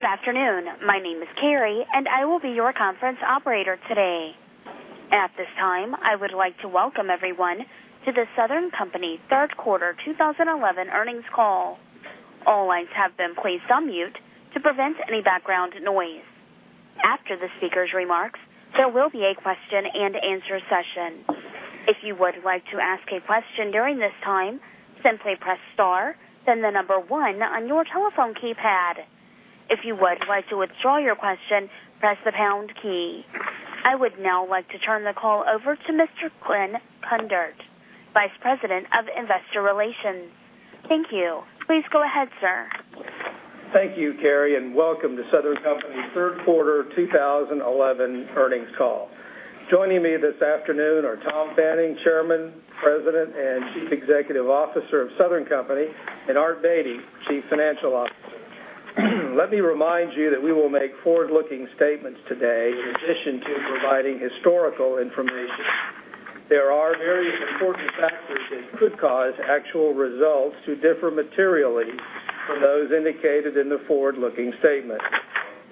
Good afternoon. My name is Carrie, and I will be your conference operator today. At this time, I would like to welcome everyone to The Southern Company Third Quarter 2011 Earnings Call. All lines have been placed on mute to prevent any background noise. After the speaker's remarks, there will be a question-and-answer session. If you would like to ask a question during this time, simply press star and the number one on your telephone keypad. If you would like to withdraw your question, press the pound key. I would now like to turn the call over to Mr. Glen Kundert, Vice President of Investor Relations. Thank you. Please go ahead, sir. Thank you, Carrie, and welcome to Southern Company's Third Quarter 2011 Earnings Call. Joining me this afternoon are Tom Fanning, Chairman, President, and Chief Executive Officer of Southern Company, and Art Beattie, Chief Financial Officer. Let me remind you that we will make forward-looking statements today in addition to providing historical information. There are various forecast factors that could cause actual results to differ materially from those indicated in the forward-looking statement,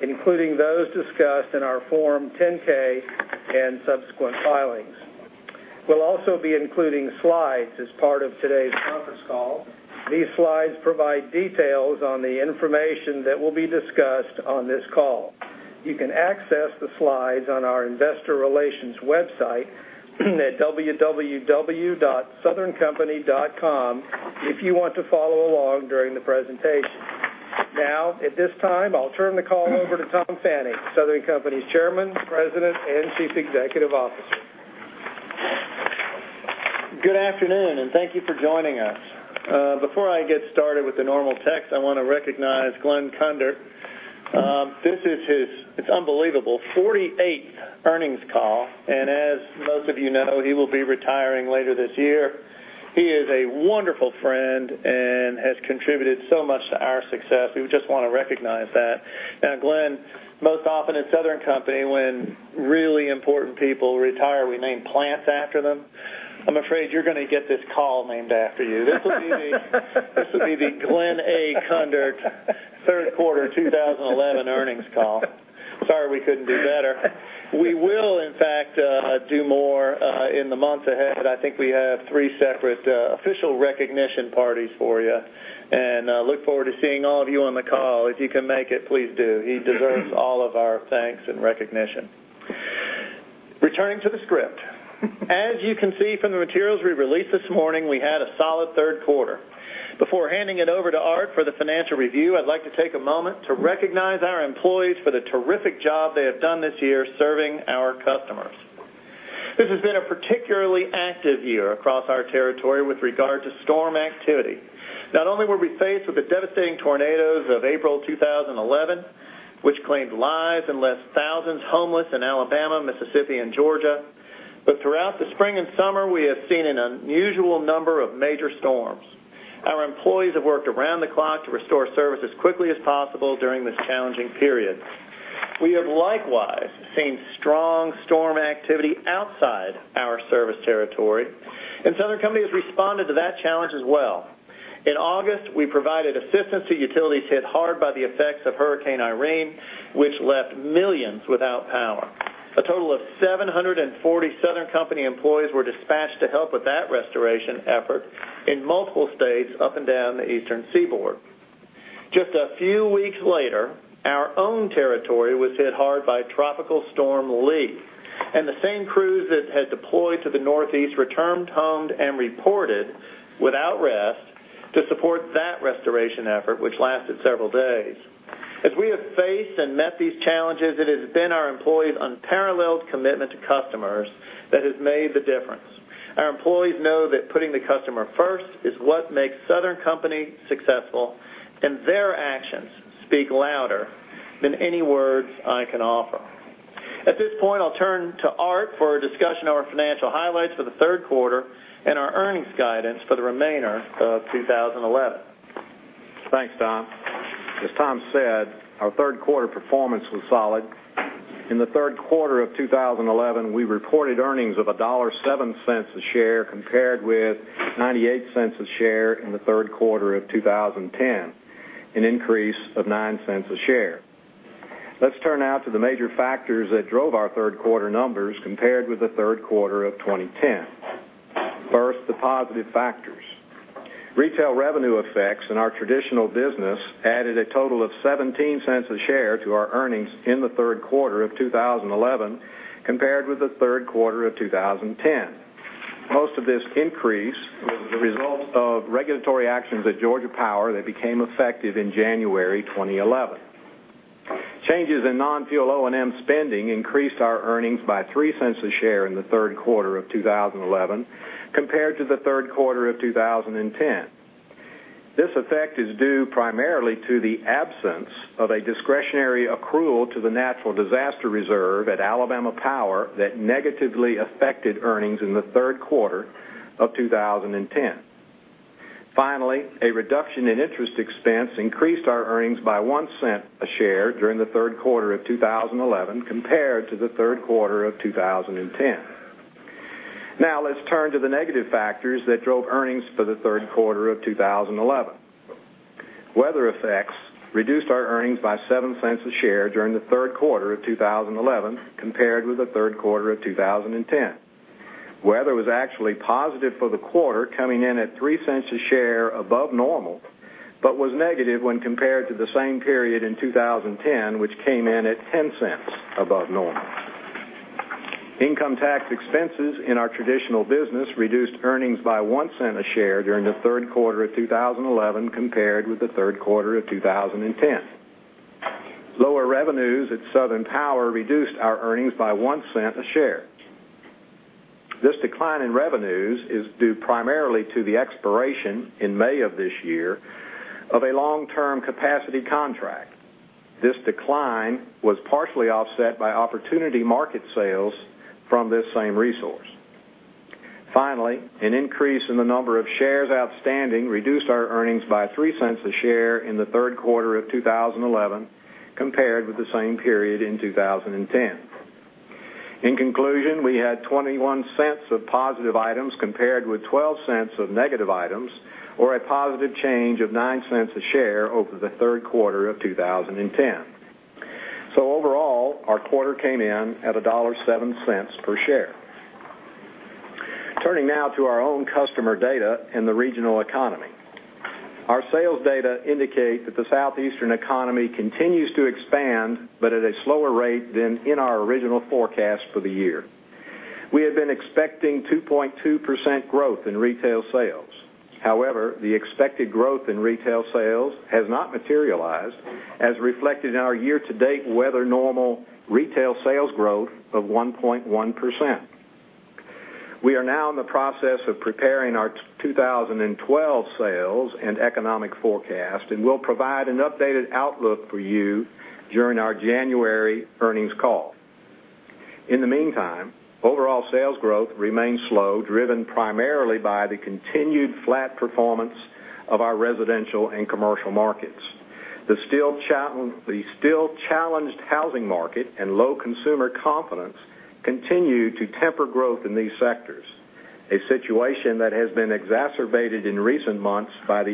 including those discussed in our Form 10-K and subsequent filings. We will also be including slides as part of today's conference call. These slides provide details on the information that will be discussed on this call. You can access the slides on our Investor Relations website at www.southerncompany.com if you want to follow along during the presentation. Now, at this time, I'll turn the call over to Tom Fanning, Southern Company's Chairman, President, and Chief Executive Officer. Good afternoon, and thank you for joining us. Before I get started with the normal text, I want to recognize Glen Kundert. This is his, it's unbelievable, 48th earnings call. As most of you know, he will be retiring later this year. He is a wonderful friend and has contributed so much to our success. We just want to recognize that. Now, Glen, most often at Southern Company, when really important people retire, we name plants after them. I'm afraid you're going to get this call named after you. This will be the Glen A. Kundert third quarter 2011 earnings call. Sorry we couldn't do better. We will, in fact, do more in the months ahead. I think we have three separate official recognition parties for you. I look forward to seeing all of you on the call. If you can make it, please do. He deserves all of our thanks and recognition. Returning to the script. As you can see from the materials we released this morning, we had a solid third quarter. Before handing it over to Art for the financial review, I'd like to take a moment to recognize our employees for the terrific job they have done this year serving our customers. This has been a particularly active year across our territory with regard to storm activity. Not only were we faced with the devastating tornadoes of April 2011, which claimed lives and left thousands homeless in Alabama, Mississippi, and Georgia, but throughout the spring and summer, we have seen an unusual number of major storms. Our employees have worked around the clock to restore service as quickly as possible during this challenging period. We have likewise seen strong storm activity outside our service territory, and Southern Company has responded to that challenge as well. In August, we provided assistance to utilities hit hard by the effects of Hurricane Irene, which left millions without power. A total of 740 Southern Company employees were dispatched to help with that restoration effort in multiple states up and down the Eastern Seaboard. Just a few weeks later, our own territory was hit hard by Tropical Storm Lee, and the same crews that had deployed to the Northeast returned home and reported without rest to support that restoration effort, which lasted several days. As we have faced and met these challenges, it has been our employees' unparalleled commitment to customers that has made the difference. Our employees know that putting the customer first is what makes Southern Company successful, and their actions speak louder than any words I can offer. At this point, I'll turn to Art for a discussion of our financial highlights for the third quarter and our earnings guidance for the remainder of 2011. Thanks, Tom. As Tom said, our third quarter performance was solid. In the third quarter of 2011, we reported earnings of $1.07 a share compared with $0.98 a share in the third quarter of 2010, an increase of $0.09 a share. Let's turn now to the major factors that drove our third quarter numbers compared with the third quarter of 2010. First, the positive factors. Retail revenue effects in our traditional business added a total of $0.17 a share to our earnings in the third quarter of 2011 compared with the third quarter of 2010. Most of this increase was the result of regulatory actions at Georgia Power that became effective in January 2011. Changes in non-fuel O&M spending increased our earnings by $0.03 a share in the third quarter of 2011 compared to the third quarter of 2010. This effect is due primarily to the absence of a discretionary accrual to the Natural Disaster Reserve at Alabama Power that negatively affected earnings in the third quarter of 2010. Finally, a reduction in interest expense increased our earnings by $0.01 a share during the third quarter of 2011 compared to the third quarter of 2010. Now, let's turn to the negative factors that drove earnings for the third quarter of 2011. Weather effects reduced our earnings by $0.07 a share during the third quarter of 2011 compared with the third quarter of 2010. Weather was actually positive for the quarter, coming in at $0.03 a share above normal, but was negative when compared to the same period in 2010, which came in at $0.10 above normal. Income tax expenses in our traditional business reduced earnings by $0.01 a share during the third quarter of 2011 compared with the third quarter of 2010. Lower revenues at Southern Power reduced our earnings by $0.01 a share. This decline in revenues is due primarily to the expiration in May of this year of a long-term capacity contract. This decline was partially offset by opportunity market sales from this same resource. Finally, an increase in the number of shares outstanding reduced our earnings by $0.03 a share in the third quarter of 2011 compared with the same period in 2010. In conclusion, we had $0.21 of positive items compared with $0.12 of negative items, or a positive change of $0.09 a share over the third quarter of 2010. Overall, our quarter came in at $1.07 per share. Turning now to our own customer data and the regional economy. Our sales data indicate that the Southeastern economy continues to expand, but at a slower rate than in our original forecast for the year. We had been expecting 2.2% growth in retail sales. However, the expected growth in retail sales has not materialized as reflected in our year-to-date weather normal retail sales growth of 1.1%. We are now in the process of preparing our 2012 sales and economic forecast, and we'll provide an updated outlook for you during our January earnings call. In the meantime, overall sales growth remains slow, driven primarily by the continued flat performance of our residential and commercial markets. The still-challenged housing market and low consumer confidence continue to temper growth in these sectors, a situation that has been exacerbated in recent months by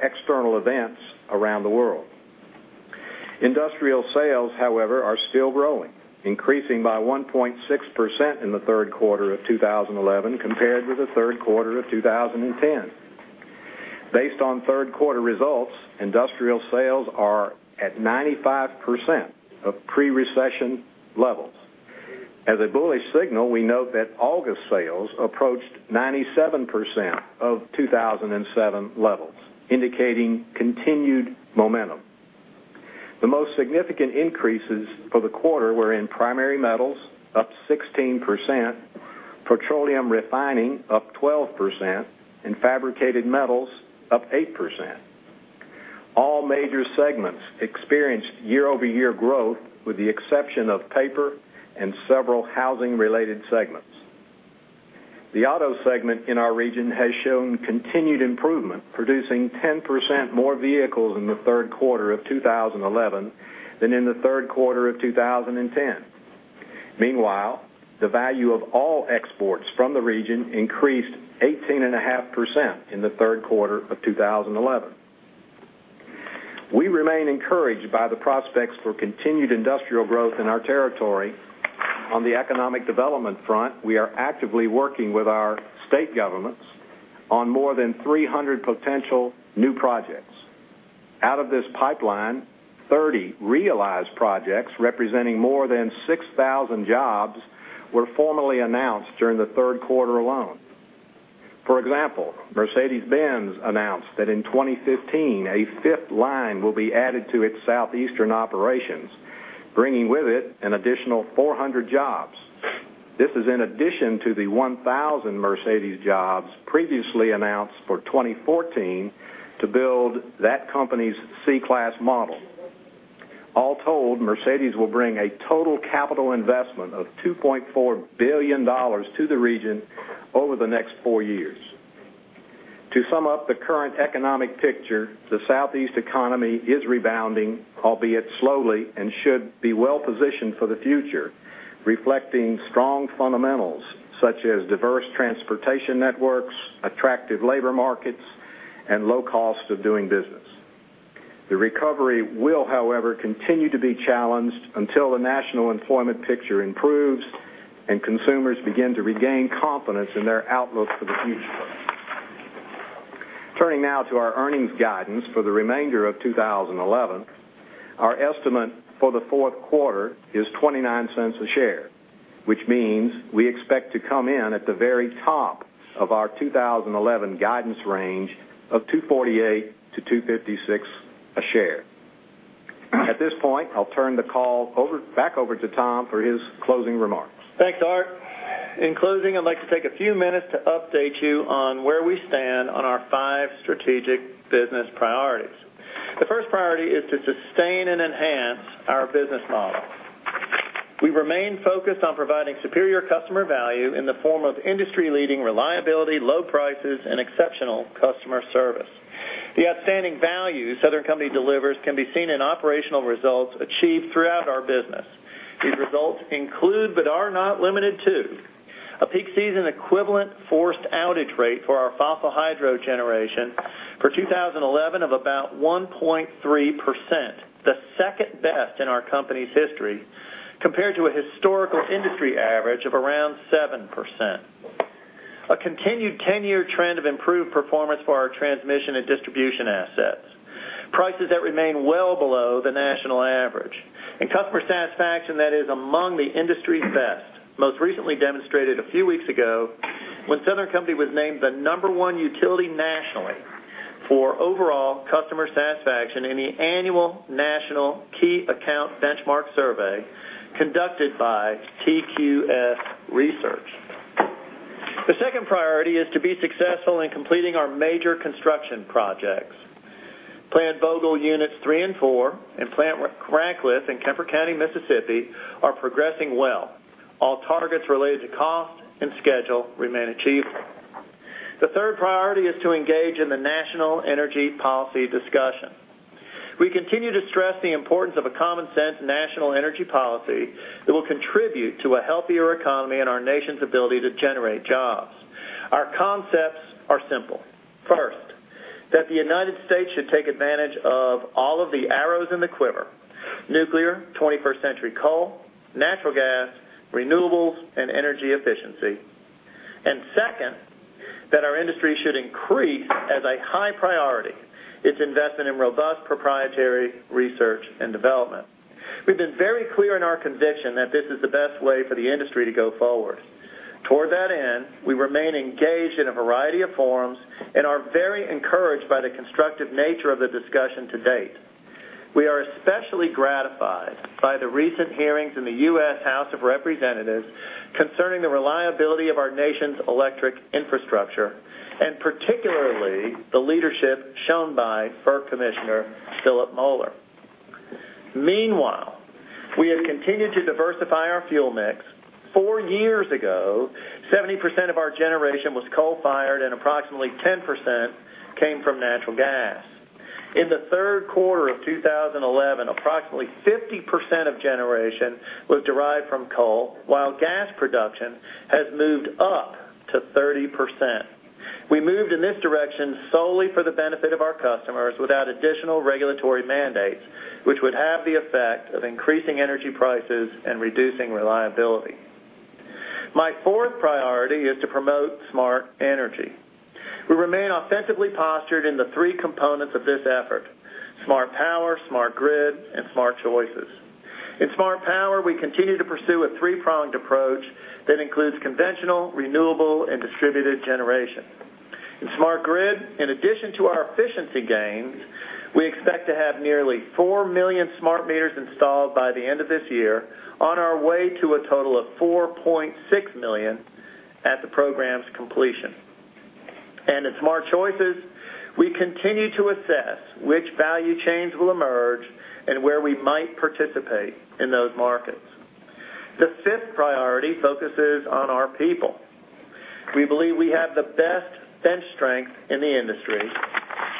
external events around the world. Industrial sales, however, are still growing, increasing by 1.6% in the third quarter of 2011 compared with the third quarter of 2010. Based on third quarter results, industrial sales are at 95% of pre-recession levels. As a bullish signal, we note that August sales approached 97% of 2007 levels, indicating continued momentum. The most significant increases for the quarter were in primary metals, up 16%, petroleum refining, up 12%, and fabricated metals, up 8%. All major segments experienced year-over-year growth, with the exception of paper and several housing-related segments. The auto segment in our region has shown continued improvement, producing 10% more vehicles in the third quarter of 2011 than in the third quarter of 2010. Meanwhile, the value of all exports from the region increased 18.5% in the third quarter of 2011. We remain encouraged by the prospects for continued industrial growth in our territory. On the economic development front, we are actively working with our state governments on more than 300 potential new projects. Out of this pipeline, 30 realized projects representing more than 6,000 jobs were formally announced during the third quarter alone. For example, Mercedes-Benz announced that in 2015, a fifth line will be added to its Southeastern operations, bringing with it an additional 400 jobs. This is in addition to the 1,000 Mercedes jobs previously announced for 2014 to build that company's C-class model. All told, Mercedes will bring a total capital investment of $2.4 billion to the region over the next four years. To sum up the current economic picture, the Southeast economy is rebounding, albeit slowly, and should be well-positioned for the future, reflecting strong fundamentals such as diverse transportation networks, attractive labor markets, and low cost of doing business. The recovery will, however, continue to be challenged until the national employment picture improves and consumers begin to regain confidence in their outlook for the future. Turning now to our earnings guidance for the remainder of 2011, our estimate for the fourth quarter is $0.29 a share, which means we expect to come in at the very top of our 2011 guidance range of $2.48-$2.56 a share. At this point, I'll turn the call back over to Tom for his closing remarks. Thanks, Art. In closing, I'd like to take a few minutes to update you on where we stand on our five strategic business priorities. The first priority is to sustain and enhance our business model. We remain focused on providing superior customer value in the form of industry-leading reliability, low prices, and exceptional customer service. The outstanding value Southern Company delivers can be seen in operational results achieved throughout our business. These results include, but are not limited to, a peak season equivalent forced outage rate for our fossil hydro generation for 2011 of about 1.3%, the second best in our company's history, compared to a historical industry average of around 7%. A continued 10-year trend of improved performance for our transmission and distribution assets, prices that remain well below the national average, and customer satisfaction that is among the industry's best, most recently demonstrated a few weeks ago when Southern Company was named the number one utility nationally for overall customer satisfaction in the annual national key account benchmark survey conducted by TQS Research. The second priority is to be successful in completing our major construction projects. Plant Vogtle Units 3 and 4 and Plant Ratcliffe in Kemper County, Mississippi, are progressing well. All targets related to cost and schedule remain achievable. The third priority is to engage in the national energy policy discussion. We continue to stress the importance of a common sense national energy policy that will contribute to a healthier economy and our nation's ability to generate jobs. Our concepts are simple. First, that the United States should take advantage of all of the arrows in the quiver: nuclear, 21st century coal, natural gas, renewables, and energy efficiency. Second, that our industry should increase as a high priority its investment in robust proprietary research and development. We've been very clear in our conviction that this is the best way for the industry to go forward. Toward that end, we remain engaged in a variety of forums and are very encouraged by the constructive nature of the discussion to date. We are especially gratified by the recent hearings in the U.S. House of Representatives concerning the reliability of our nation's electric infrastructure, and particularly the leadership shown by FERC Commissioner Philip Moeller. Meanwhile, we have continued to diversify our fuel mix. Four years ago, 70% of our generation was coal-fired and approximately 10% came from natural gas. In the third quarter of 2011, approximately 50% of generation was derived from coal, while gas production has moved up to 30%. We moved in this direction solely for the benefit of our customers without additional regulatory mandates, which would have the effect of increasing energy prices and reducing reliability. My fourth priority is to promote smart energy. We remain authentically postured in the three components of this effort: smart power, smart grid, and smart choices. In smart power, we continue to pursue a three-pronged approach that includes conventional, renewable, and distributed generation. In smart grid, in addition to our efficiency gains, we expect to have nearly 4 million smart meters installed by the end of this year, on our way to a total of 4.6 million at the program's completion. In smart choices, we continue to assess which value chains will emerge and where we might participate in those markets. The fifth priority focuses on our people. We believe we have the best bench strength in the industry,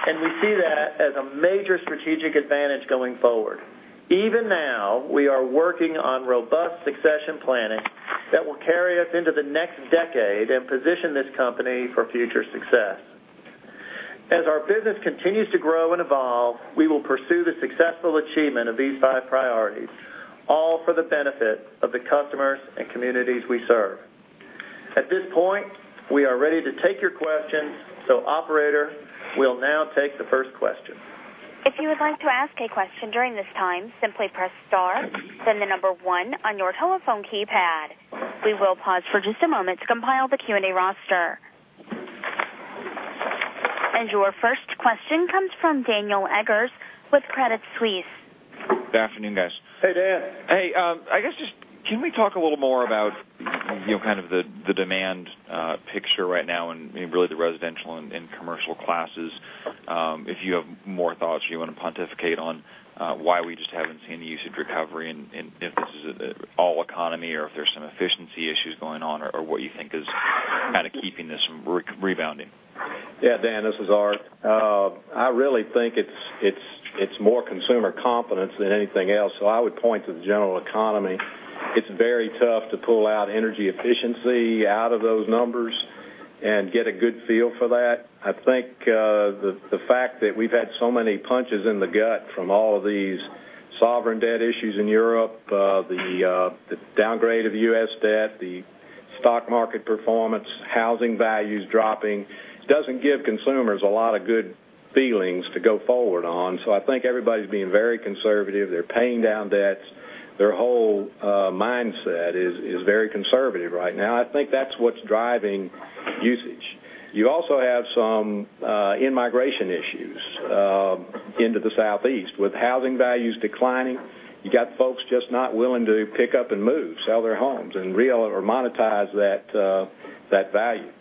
and we see that as a major strategic advantage going forward. Even now, we are working on robust succession planning that will carry us into the next decade and position this company for future success. As our business continues to grow and evolve, we will pursue the successful achievement of these five priorities, all for the benefit of the customers and communities we serve. At this point, we are ready to take your questions. Operator, we'll now take the first question. If you would like to ask a question during this time, simply press star, then the number one on your telephone keypad. We will pause for just a moment to compile the Q&A roster. Your first question comes from Daniel Tucker with Crédit Suisse AG. Good afternoon, guys. Hey, Dan. I guess just can we talk a little more about, you know, kind of the demand picture right now and really the residential and commercial classes? If you have more thoughts or you want to pontificate on why we just haven't seen a usage recovery and if this is an all-economy or if there's some efficiency issues going on or what you think is kind of keeping this from rebounding. Yeah, Dan, this is Art. I really think it's more consumer confidence than anything else. I would point to the general economy. It's very tough to pull out energy efficiency out of those numbers and get a good feel for that. I think the fact that we've had so many punches in the gut from all of these sovereign debt issues in Europe, the downgrade of U.S. debt, the stock market performance, housing values dropping, doesn't give consumers a lot of good feelings to go forward on. I think everybody's being very conservative. They're paying down debts. Their whole mindset is very conservative right now. I think that's what's driving usage. You also have some immigration issues into the Southeast with housing values declining. You got folks just not willing to pick up and move, sell their homes, and re-monetize that value.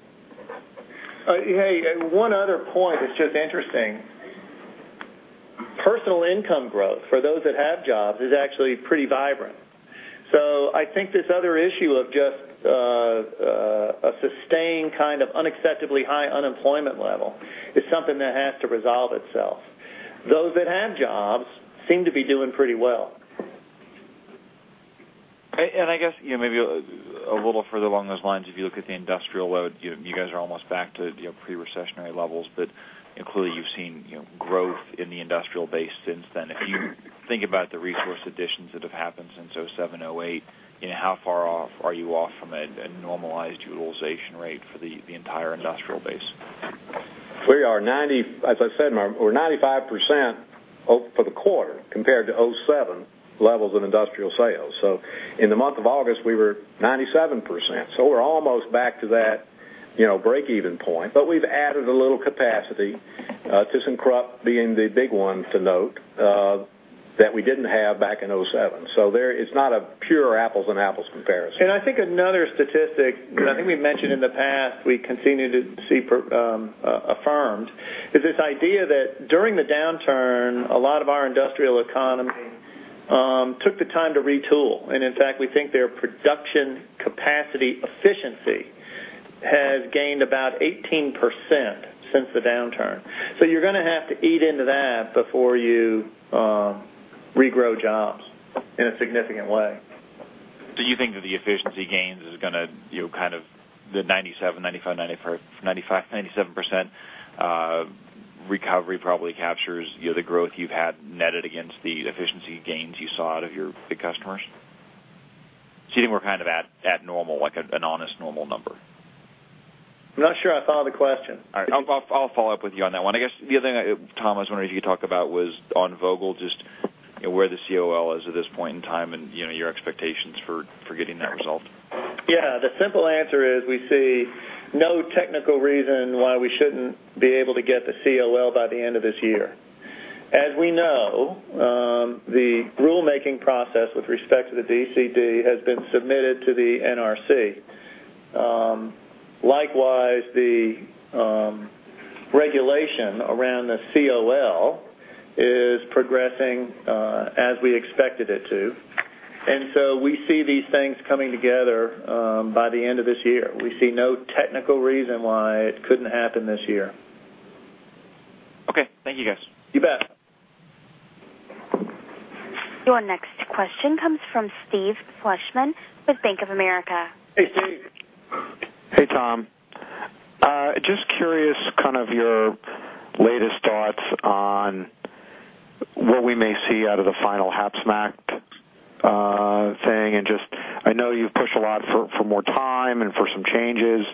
Hey, one other point that's just interesting. Personal income growth for those that have jobs is actually pretty vibrant. I think this other issue of just a sustained kind of unacceptably high unemployment level is something that has to resolve itself. Those that have jobs seem to be doing pretty well. I guess, maybe a little further along those lines, if you look at the industrial load, you guys are almost back to pre-recessionary levels. Clearly, you've seen growth in the industrial base since then. If you think about the resource additions that have happened since 2007, 2008, how far off are you from a normalized utilization rate for the entire industrial base? We are, as I said, we're 95% for the quarter compared to 2007 levels in industrial sales. In the month of August, we were 97%. We're almost back to that, you know, break-even point. We've added a little capacity to some crop being the big ones to note that we didn't have back in 2007. It's not a pure apples and apples comparison. I think another statistic I think we mentioned in the past, we continue to see affirmed is this idea that during the downturn, a lot of our industrial economy took the time to retool. In fact, we think their production capacity efficiency has gained about 18% since the downturn. You're going to have to eat into that before you regrow jobs in a significant way. Do you think that the efficiency gains are going to kind of the 97%, 95%, 97% recovery probably captures the growth you've had netted against the efficiency gains you saw out of your customers? Do you think we're kind of at normal, like an honest normal number? I'm not sure I follow the question. All right. I'll follow up with you on that one. I guess the other thing, Tom, I was wondering if you could talk about was on Vogtle, just where the COL is at this point in time and your expectations for getting that result. Yeah, the simple answer is we see no technical reason why we shouldn't be able to get the COL by the end of this year. As we know, the rulemaking process with respect to the DCD has been submitted to the NRC. Likewise, the regulation around the COL is progressing as we expected it to. We see these things coming together by the end of this year. We see no technical reason why it couldn't happen this year. Okay, thank you, guys. You bet. Your next question comes from Steven Fleishman with Bank of America. Hey, Steve. Hey, Tom. Just curious, your latest thoughts on what we may see out of the final HAPs MACT thing. I know you've pushed a lot for more time and for some changes.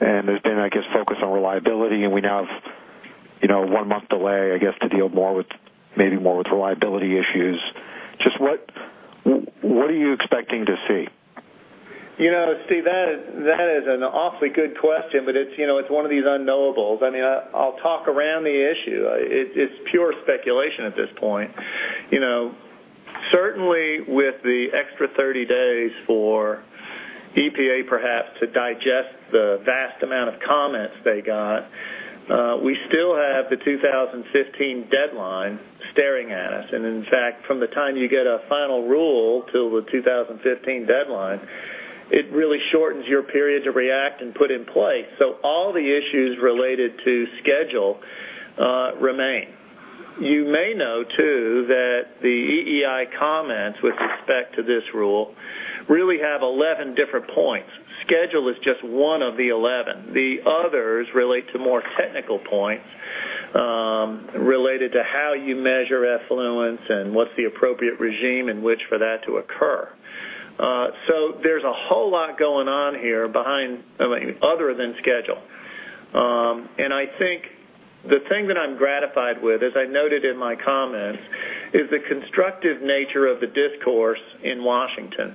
There's been, I guess, focus on reliability, and we now have a one-month delay, I guess, to deal more with maybe more reliability issues. What are you expecting to see? You know, Steve, that is an awfully good question, but it's one of these unknowables. I mean, I'll talk around the issue. It's pure speculation at this point. Certainly with the extra 30 days for EPA perhaps to digest the vast amount of comments they got, we still have the 2015 deadline staring at us. In fact, from the time you get a final rule until the 2015 deadline, it really shortens your period to react and put in place. All the issues related to schedule remain. You may know, too, that the EEI comments with respect to this rule really have 11 different points. Schedule is just one of the 11. The others relate to more technical points related to how you measure affluence and what's the appropriate regime in which for that to occur. There is a whole lot going on here other than schedule. I think the thing that I'm gratified with, as I noted in my comments, is the constructive nature of the discourse in Washington.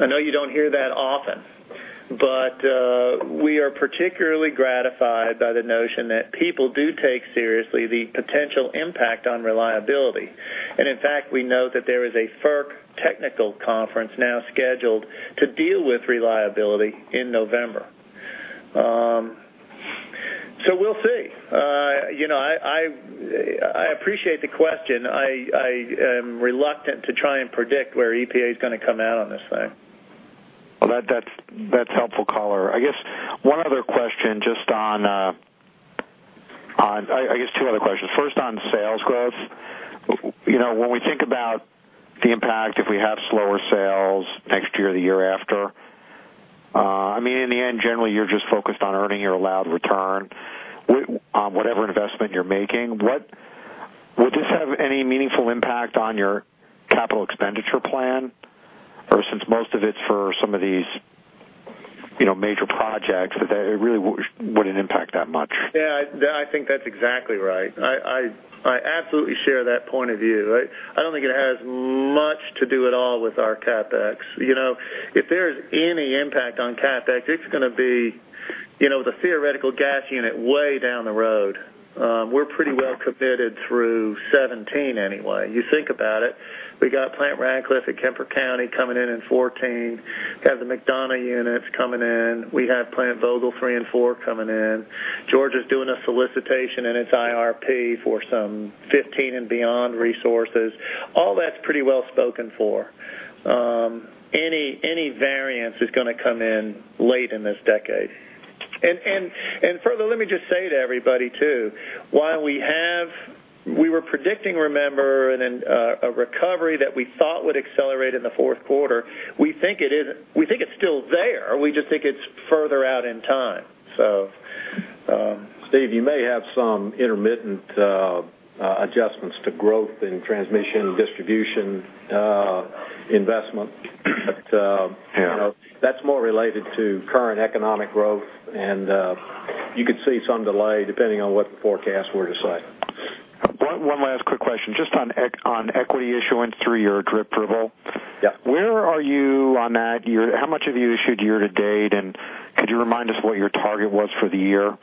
I know you don't hear that often, but we are particularly gratified by the notion that people do take seriously the potential impact on reliability. In fact, we know that there is a FERC technical conference now scheduled to deal with reliability in November. We'll see. I appreciate the question. I am reluctant to try and predict where EPA is going to come out on this thing. That's helpful color. I guess one other question just on, I guess, two other questions. First, on sales growth. You know, when we think about the impact if we have slower sales next year, the year after, I mean, in the end, generally, you're just focused on earning your allowed return on whatever investment you're making. Will this have any meaningful impact on your capital expenditure plan? Or since most of it's for some of these, you know, major projects, that it really wouldn't impact that much. Yeah, I think that's exactly right. I absolutely share that point of view. I don't think it has much to do at all with our CapEx. If there's any impact on CapEx, it's going to be the theoretical gas unit way down the road. We're pretty well committed through 2017 anyway. You think about it, we got Plant Ratcliffe at Kemper County coming in in 2014, have the McDonough units coming in. We have Plant Vogtle 3 and 4 coming in. Georgia's doing a solicitation in its IRP for some 2015 and beyond resources. All that's pretty well spoken for. Any variance is going to come in late in this decade. Further, let me just say to everybody, too, while we have, we were predicting, remember, a recovery that we thought would accelerate in the fourth quarter, we think it is, we think it's still there. We just think it's further out in time. Steve, you may have some intermittent adjustments to growth in transmission, distribution, investment. That's more related to current economic growth, and you could see some delay depending on what the forecasts were to say. One last quick question just on equity issuance, three-year DRIP approval. Yeah, where are you on that? How much have you issued year-to-date, and could you remind us what your target was for the year?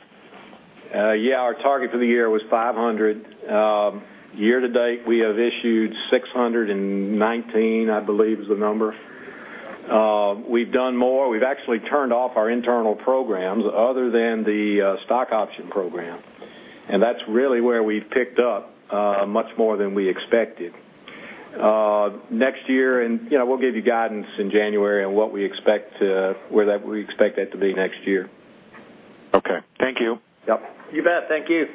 Yeah, our target for the year was 500. Year-to-date, we have issued 619, I believe is the number. We've done more. We've actually turned off our internal programs other than the stock option program. That's really where we've picked up much more than we expected. Next year, you know, we'll give you guidance in January on what we expect that to be next year. Okay, thank you. Yep. You bet. Thank you.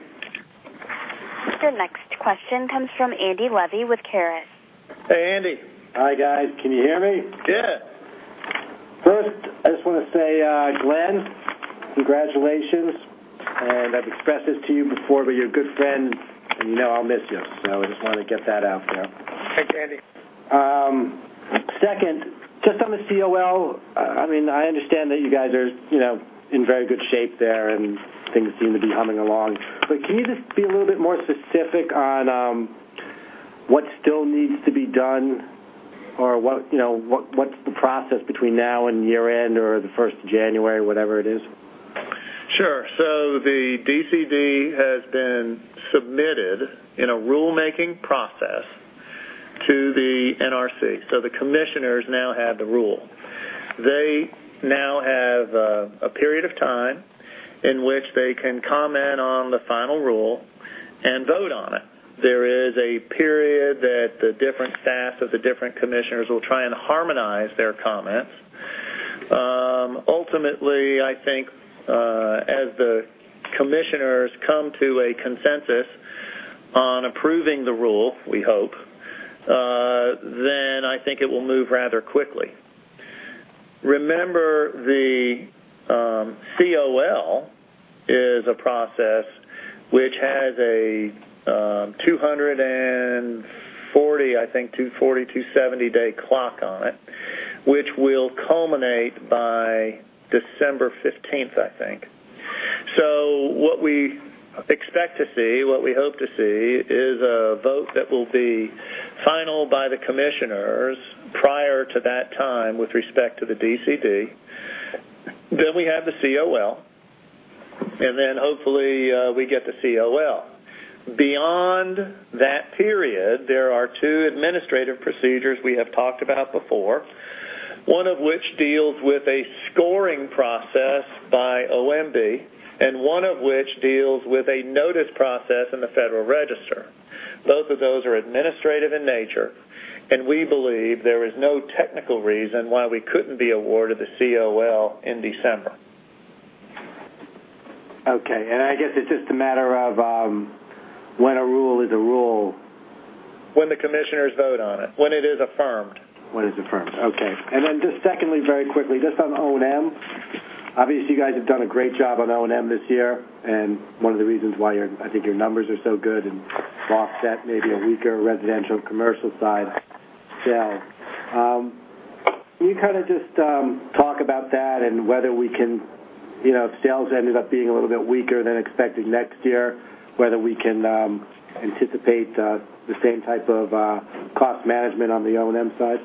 The next question comes from Andrew Evans with UBS Investment Bank. Hey, Andy. Hi, guys. Can you hear me? Yeah. First, I just want to say, Glen, congratulations. I've expressed this to you before, but you're a good friend, and you know I'll miss you. I just want to get that out there. Thanks, Andy. Second, just on the COL, I understand that you guys are in very good shape there, and things seem to be humming along. Can you just be a little bit more specific on what still needs to be done or what the process is between now and year-end or the 1st of January, whatever it is? Sure. The DCD has been submitted in a rulemaking process to the NRC. The commissioners now have the rule. They now have a period of time in which they can comment on the final rule and vote on it. There is a period that the different staffs of the different commissioners will try and harmonize their comments. Ultimately, I think as the commissioners come to a consensus on approving the rule, we hope, it will move rather quickly. Remember, the COL is a process which has a 240, I think, 240, 270-day clock on it, which will culminate by December 15th, I think. What we expect to see, what we hope to see, is a vote that will be final by the commissioners prior to that time with respect to the DCD. We have the COL, and hopefully we get the COL. Beyond that period, there are two administrative procedures we have talked about before, one of which deals with a scoring process by OMB, and one of which deals with a notice process in the Federal Register. Both of those are administrative in nature, and we believe there is no technical reason why we couldn't be awarded the COL in December. I guess it's just a matter of when a rule is a rule. When the commissioners vote on it, when it is affirmed. When it is affirmed. Okay. Just secondly, very quickly, just on O&M, obviously, you guys have done a great job on O&M this year, and one of the reasons why I think your numbers are so good and offset maybe a weaker residential and commercial side sale. Can you kind of just talk about that and whether we can, you know, if sales ended up being a little bit weaker than expected next year, whether we can anticipate the same type of management on the O&M side?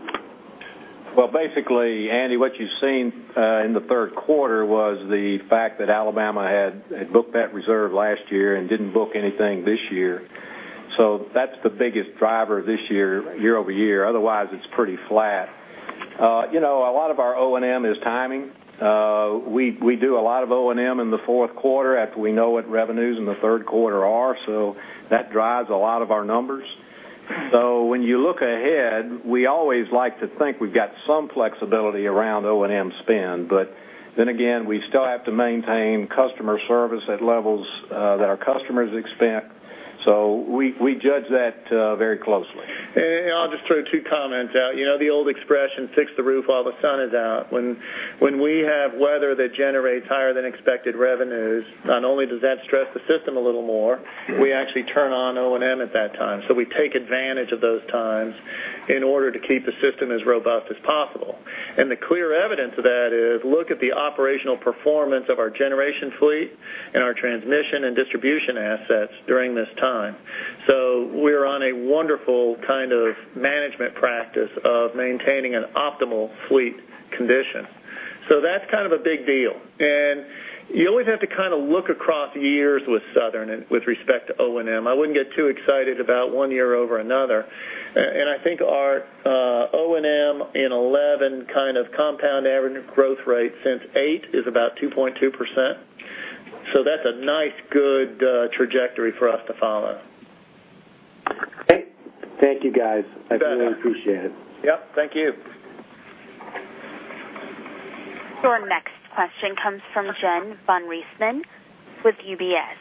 Basically, Andy, what you've seen in the third quarter was the fact that Alabama had booked that reserve last year and didn't book anything this year. That's the biggest driver this year, year-over-year. Otherwise, it's pretty flat. You know, a lot of our O&M is timing. We do a lot of O&M in the fourth quarter after we know what revenues in the third quarter are. That drives a lot of our numbers. When you look ahead, we always like to think we've got some flexibility around O&M spend. Then again, we still have to maintain customer service at levels that our customers expect. We judge that very closely. I'll just throw two comments out. You know the old expression, "Fix the roof while the sun is out." When we have weather that generates higher than expected revenues, not only does that stress the system a little more, we actually turn on O&M at that time. We take advantage of those times in order to keep the system as robust as possible. The clear evidence of that is look at the operational performance of our generation fleet and our transmission and distribution assets during this time. We're on a wonderful kind of management practice of maintaining an optimal fleet condition. That's kind of a big deal. You always have to kind of look across years with Southern Company and with respect to O&M. I wouldn't get too excited about one year over another. I think our O&M in 2011 kind of compound average growth rate since 2008 is about 2.2%. That's a nice, good trajectory for us to follow. Thank you, guys. I truly appreciate it. Thank you. Our next question comes from Jen [Fanisning] with UBS Investment Bank.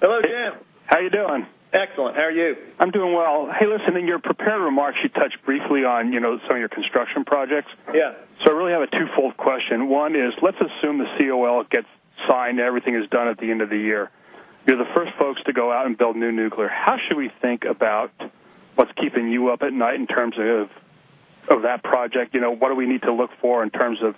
Hello, Jen. How are you doing? Excellent. How are you? I'm doing well. Hey, listen, in your prepared remarks, you touched briefly on some of your construction projects. Yeah. I really have a twofold question. One is, let's assume the COL gets signed, everything is done at the end of the year. You're the first folks to go out and build new nuclear. How should we think about what's keeping you up at night in terms of that project? What do we need to look for in terms of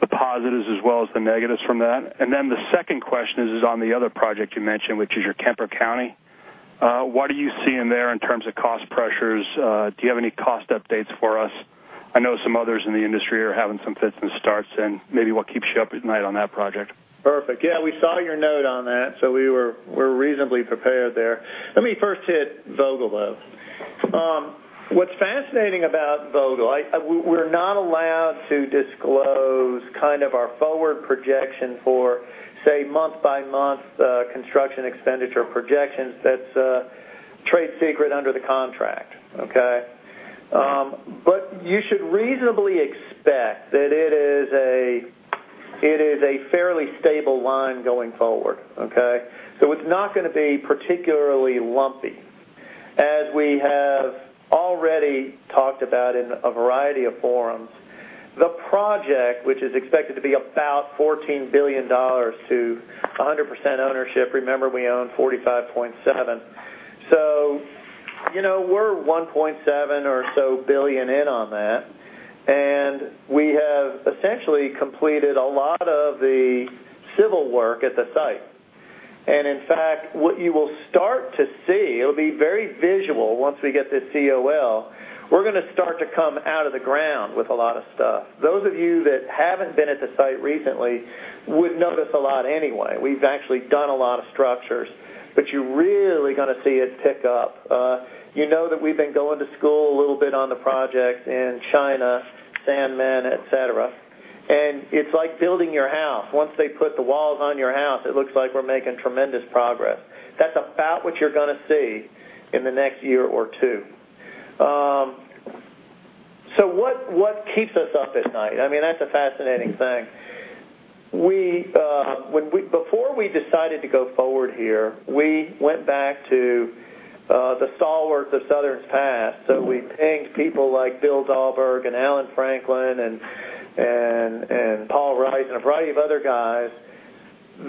the positives as well as the negatives from that? The second question is on the other project you mentioned, which is your Kemper County. What are you seeing there in terms of cost pressures? Do you have any cost updates for us? I know some others in the industry are having some fits and starts, and maybe what keeps you up at night on that project? Perfect. Yeah, we saw your note on that. We were reasonably prepared there. Let me first hit Vogtle, though. What's fascinating about Vogtle, we're not allowed to disclose kind of our forward projection for, say, month-by-month construction expenditure projections. That's a trade secret under the contract. Okay? You should reasonably expect that it is a fairly stable line going forward. It's not going to be particularly lumpy. As we have already talked about in a variety of forums, the project, which is expected to be about $14 billion to 100% ownership, remember we own 45.7%. We're $1.7 billion or so in on that. We have essentially completed a lot of the civil work at the site. In fact, what you will start to see, it'll be very visual once we get this COL, we're going to start to come out of the ground with a lot of stuff. Those of you that haven't been at the site recently would know this a lot anyway. We've actually done a lot of structures, but you're really going to see it pick up. You know that we've been going to school a little bit on the project in China, Sanmen, etc. It's like building your house. Once they put the walls on your house, it looks like we're making tremendous progress. That's about what you're going to see in the next year or two. What keeps us up at night? That's a fascinating thing. Before we decided to go forward here, we went back to the stalwarts of Southern's past. We pinged people like Bill Dahlberg and Alan Franklin and Paul Rice and a variety of other guys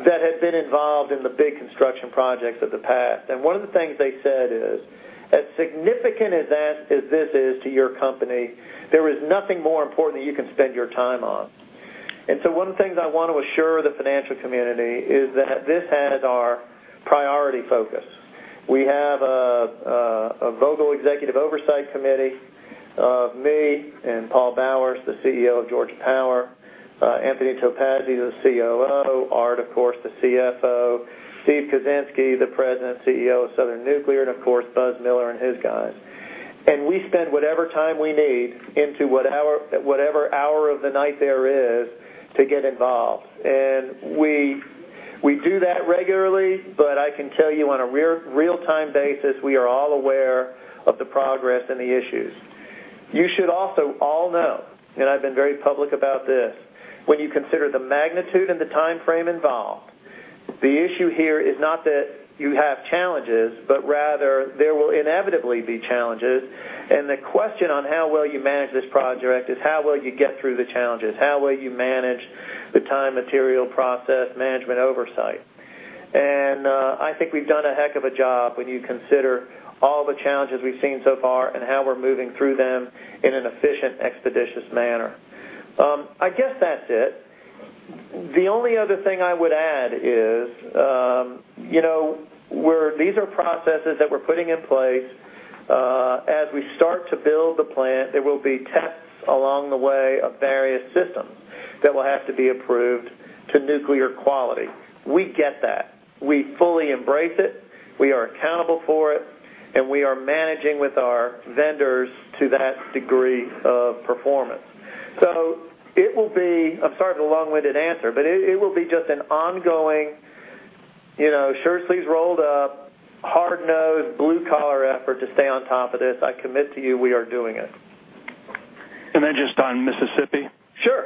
that had been involved in the big construction projects of the past One of the things they said is, as significant as this is to your company, there is nothing more important that you can spend your time on. One of the things I want to assure the financial community is that this has our priority focus. We have a Vogtle Executive Oversight Committee, me and Paul Bowers, the CEO of Georgia Power, Anthony Topazi, the COO, Art, of course, the CFO, Stephen Kuczynski, the President and CEO of Southern Nuclear, and of course, Buzz Miller and his guys. We spend whatever time we need into whatever hour of the night there is to get involved. We do that regularly, but I can tell you on a real-time basis, we are all aware of the progress and the issues. You should also all know, and I've been very public about this, when you consider the magnitude and the timeframe involved, the issue here is not that you have challenges, but rather there will inevitably be challenges. The question on how well you manage this project is how well you get through the challenges, how well you manage the time, material, process management, oversight. I think we've done a heck of a job when you consider all the challenges we've seen so far and how we're moving through them in an efficient, expeditious manner. I guess that's it. The only other thing I would add is, you know, these are processes that we're putting in place. As we start to build the plant, there will be tests along the way of various systems that will have to be approved to nuclear quality. We get that. We fully embrace it. We are accountable for it. We are managing with our vendors to that degree of performance. I'm sorry for the long-winded answer, but it will be just an ongoing, sure, sleeves rolled up, hard nose, blue collar effort to stay on top of this. I commit to you, we are doing it. Just on Mississippi. Sure.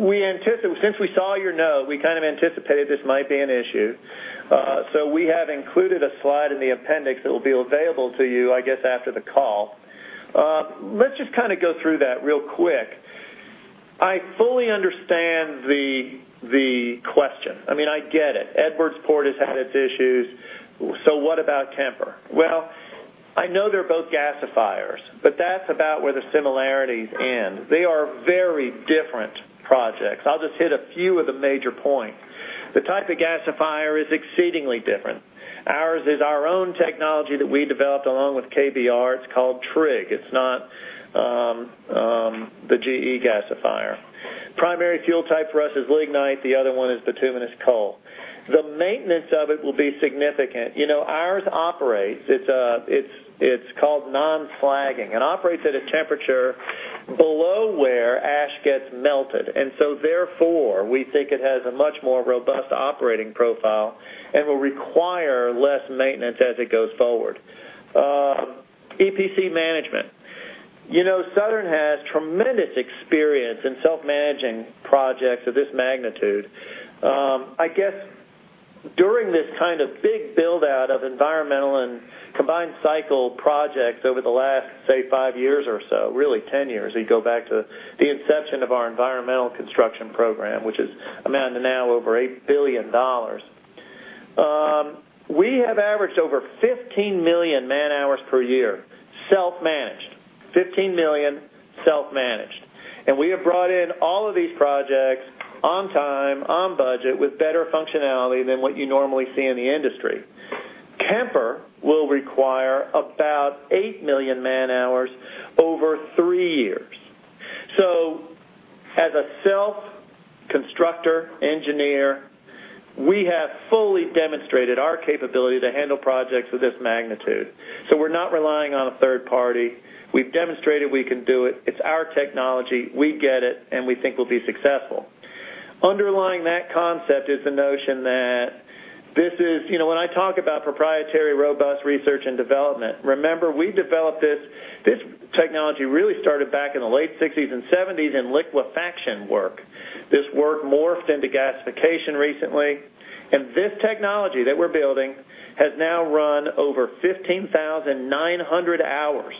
We anticipate, since we saw your note, we kind of anticipated this might be an issue. We have included a slide in the appendix that will be available to you, I guess, after the call. Let's just kind of go through that real quick. I fully understand the question. I mean, I get it. Edwards Port has had its issues. What about Kemper? I know they're both gasifiers, but that's about where the similarities end. They are very different projects. I'll just hit a few of the major points. The type of gasifier is exceedingly different. Ours is our own technology that we developed along with KBR. It's called TRIG. It's not the GE gasifier. Primary fuel type for us is lignite. The other one is bituminous coal. The maintenance of it will be significant. Ours operates, it's called non-slagging and operates at a temperature below where ash gets melted. Therefore, we think it has a much more robust operating profile and will require less maintenance as it goes forward. EPC management. Southern Company has tremendous experience in self-managing projects of this magnitude. During this kind of big build-out of environmental and combined cycle projects over the last, say, five years or so, really 10 years, we go back to the inception of our environmental construction program, which is a man and a half, over $8 billion. We have averaged over 15 million man-hours per year, self-managed, 15 million self-managed. We have brought in all of these projects on time, on budget, with better functionality than what you normally see in the industry. Kemper will require about 8 million man-hours over three years. As a self-constructor engineer, we have fully demonstrated our capability to handle projects of this magnitude. We're not relying on a third party. We've demonstrated we can do it. It's our technology. We get it, and we think we'll be successful. Underlying that concept is the notion that this is, when I talk about proprietary robust research and development, remember we developed this, this technology really started back in the late 1960s and 1970s in liquefaction work. This work morphed into gasification recently. This technology that we're building has now run over 15,900 hours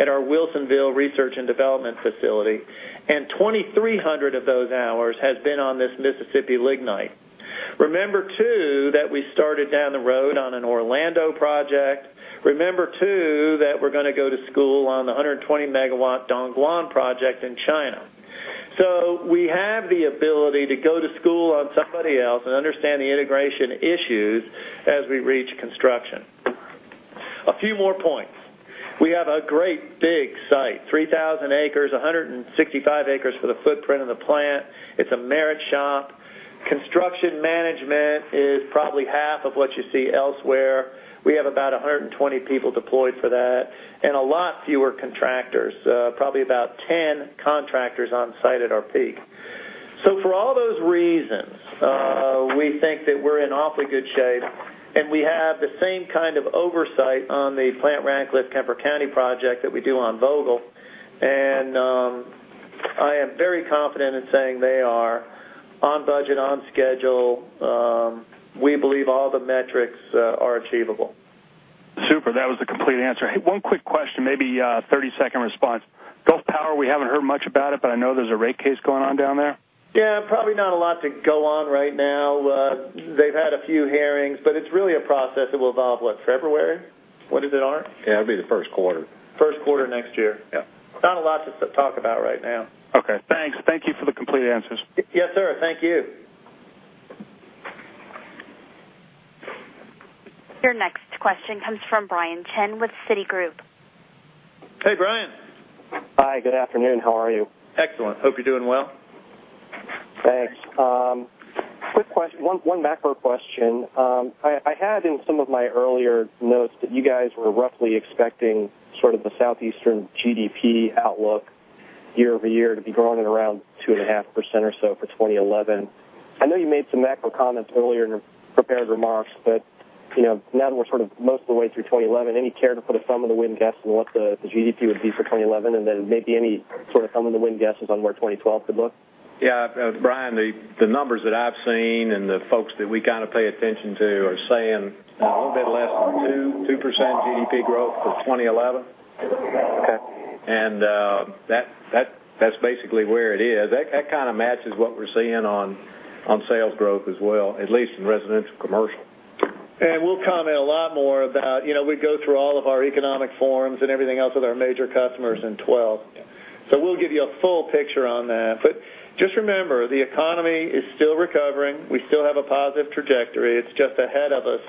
at our Wilsonville research and development facility. 2,300 of those hours have been on this Mississippi lignite. Remember, too, that we started down the road on an Orlando project. Remember, too, that we're going to go to school on the 120 MW Dongguan project in China. We have the ability to go to school on somebody else and understand the integration issues as we reach construction. A few more points. We have a great big site, 3,000 acres, 165 acres for the footprint of the plant. It's a merit shop. Construction management is probably half of what you see elsewhere. We have about 120 people deployed for that and a lot fewer contractors, probably about 10 contractors on site at our peak. For all those reasons, we think that we're in awfully good shape. We have the same kind of oversight on the Plant Ratcliffe Kemper County project that we do on Vogtle. I am very confident in saying they are on budget, on schedule. We believe all the metrics are achievable. Super. That was the complete answer. Hey, one quick question, maybe a 30-second response. Gulf Power, we haven't heard much about it, but I know there's a rate case going on down there. Yeah, probably not a lot to go on right now. They've had a few hearings, but it's really a process that will evolve. What, February? What is it, Art? Yeah, it'll be the first quarter. First quarter next year. Yeah. Not a lot to talk about right now. Okay. Thanks. Thank you for the complete answers. Yes, sir. Thank you. Your next question comes from Brian Chen with Citigroup. Hey, Brian. Hi, good afternoon. How are you? Excellent. Hope you're doing well. Thanks. Quick question, one macro question. I had in some of my earlier notes that you guys were roughly expecting sort of the Southeastern GDP outlook year-over-year to be growing at around 2.5% or so for 2011. I know you made some macro comments earlier in your prepared remarks, but you know now that we're sort of most of the way through 2011, any care to put a thumb in the wind guessing what the GDP would be for 2011? Maybe any sort of thumb in the wind guesses on where 2012 could look? Yeah, Brian, the numbers that I've seen and the folks that we kind of pay attention to are saying a little bit less than 2% GDP growth for 2011. Okay. That's basically where it is. That kind of matches what we're seeing on sales growth as well, at least in residential commercial. We'll comment a lot more about, you know, we go through all of our economic forums and everything else with our major customers in 2012. We'll give you a full picture on that. Just remember, the economy is still recovering. We still have a positive trajectory. It's just ahead of us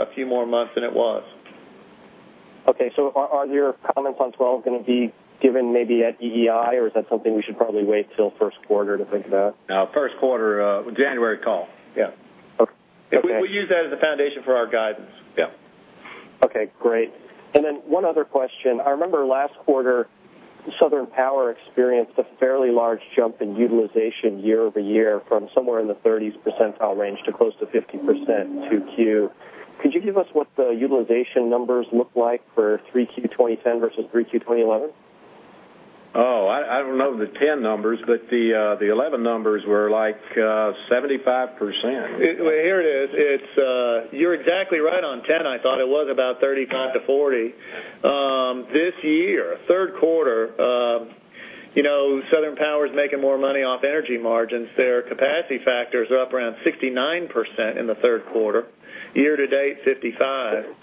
a few more months than it was. Okay. Are your comments on 2012 going to be given maybe at EEI, or is that something we should probably wait till first quarter to think about? No, first quarter, January call. Yeah. Okay. We use that as a foundation for our guidance. Okay. Great. One other question. I remember last quarter, Southern Power experienced a fairly large jump in utilization year-over-year from somewhere in the 30% range to close to 50% in 2Q. Could you give us what the utilization numbers look like for 3Q 2010 versus 3Q 2011? Oh, I don't know the 2010 numbers, but the 2011 numbers were like 75%. Here it is. You're exactly right on 2010. I thought it was about 35-40. This year, third quarter, you know, Southern Power is making more money off energy margins. Their capacity factors are up around 69% in the third quarter. Year to date, 55%.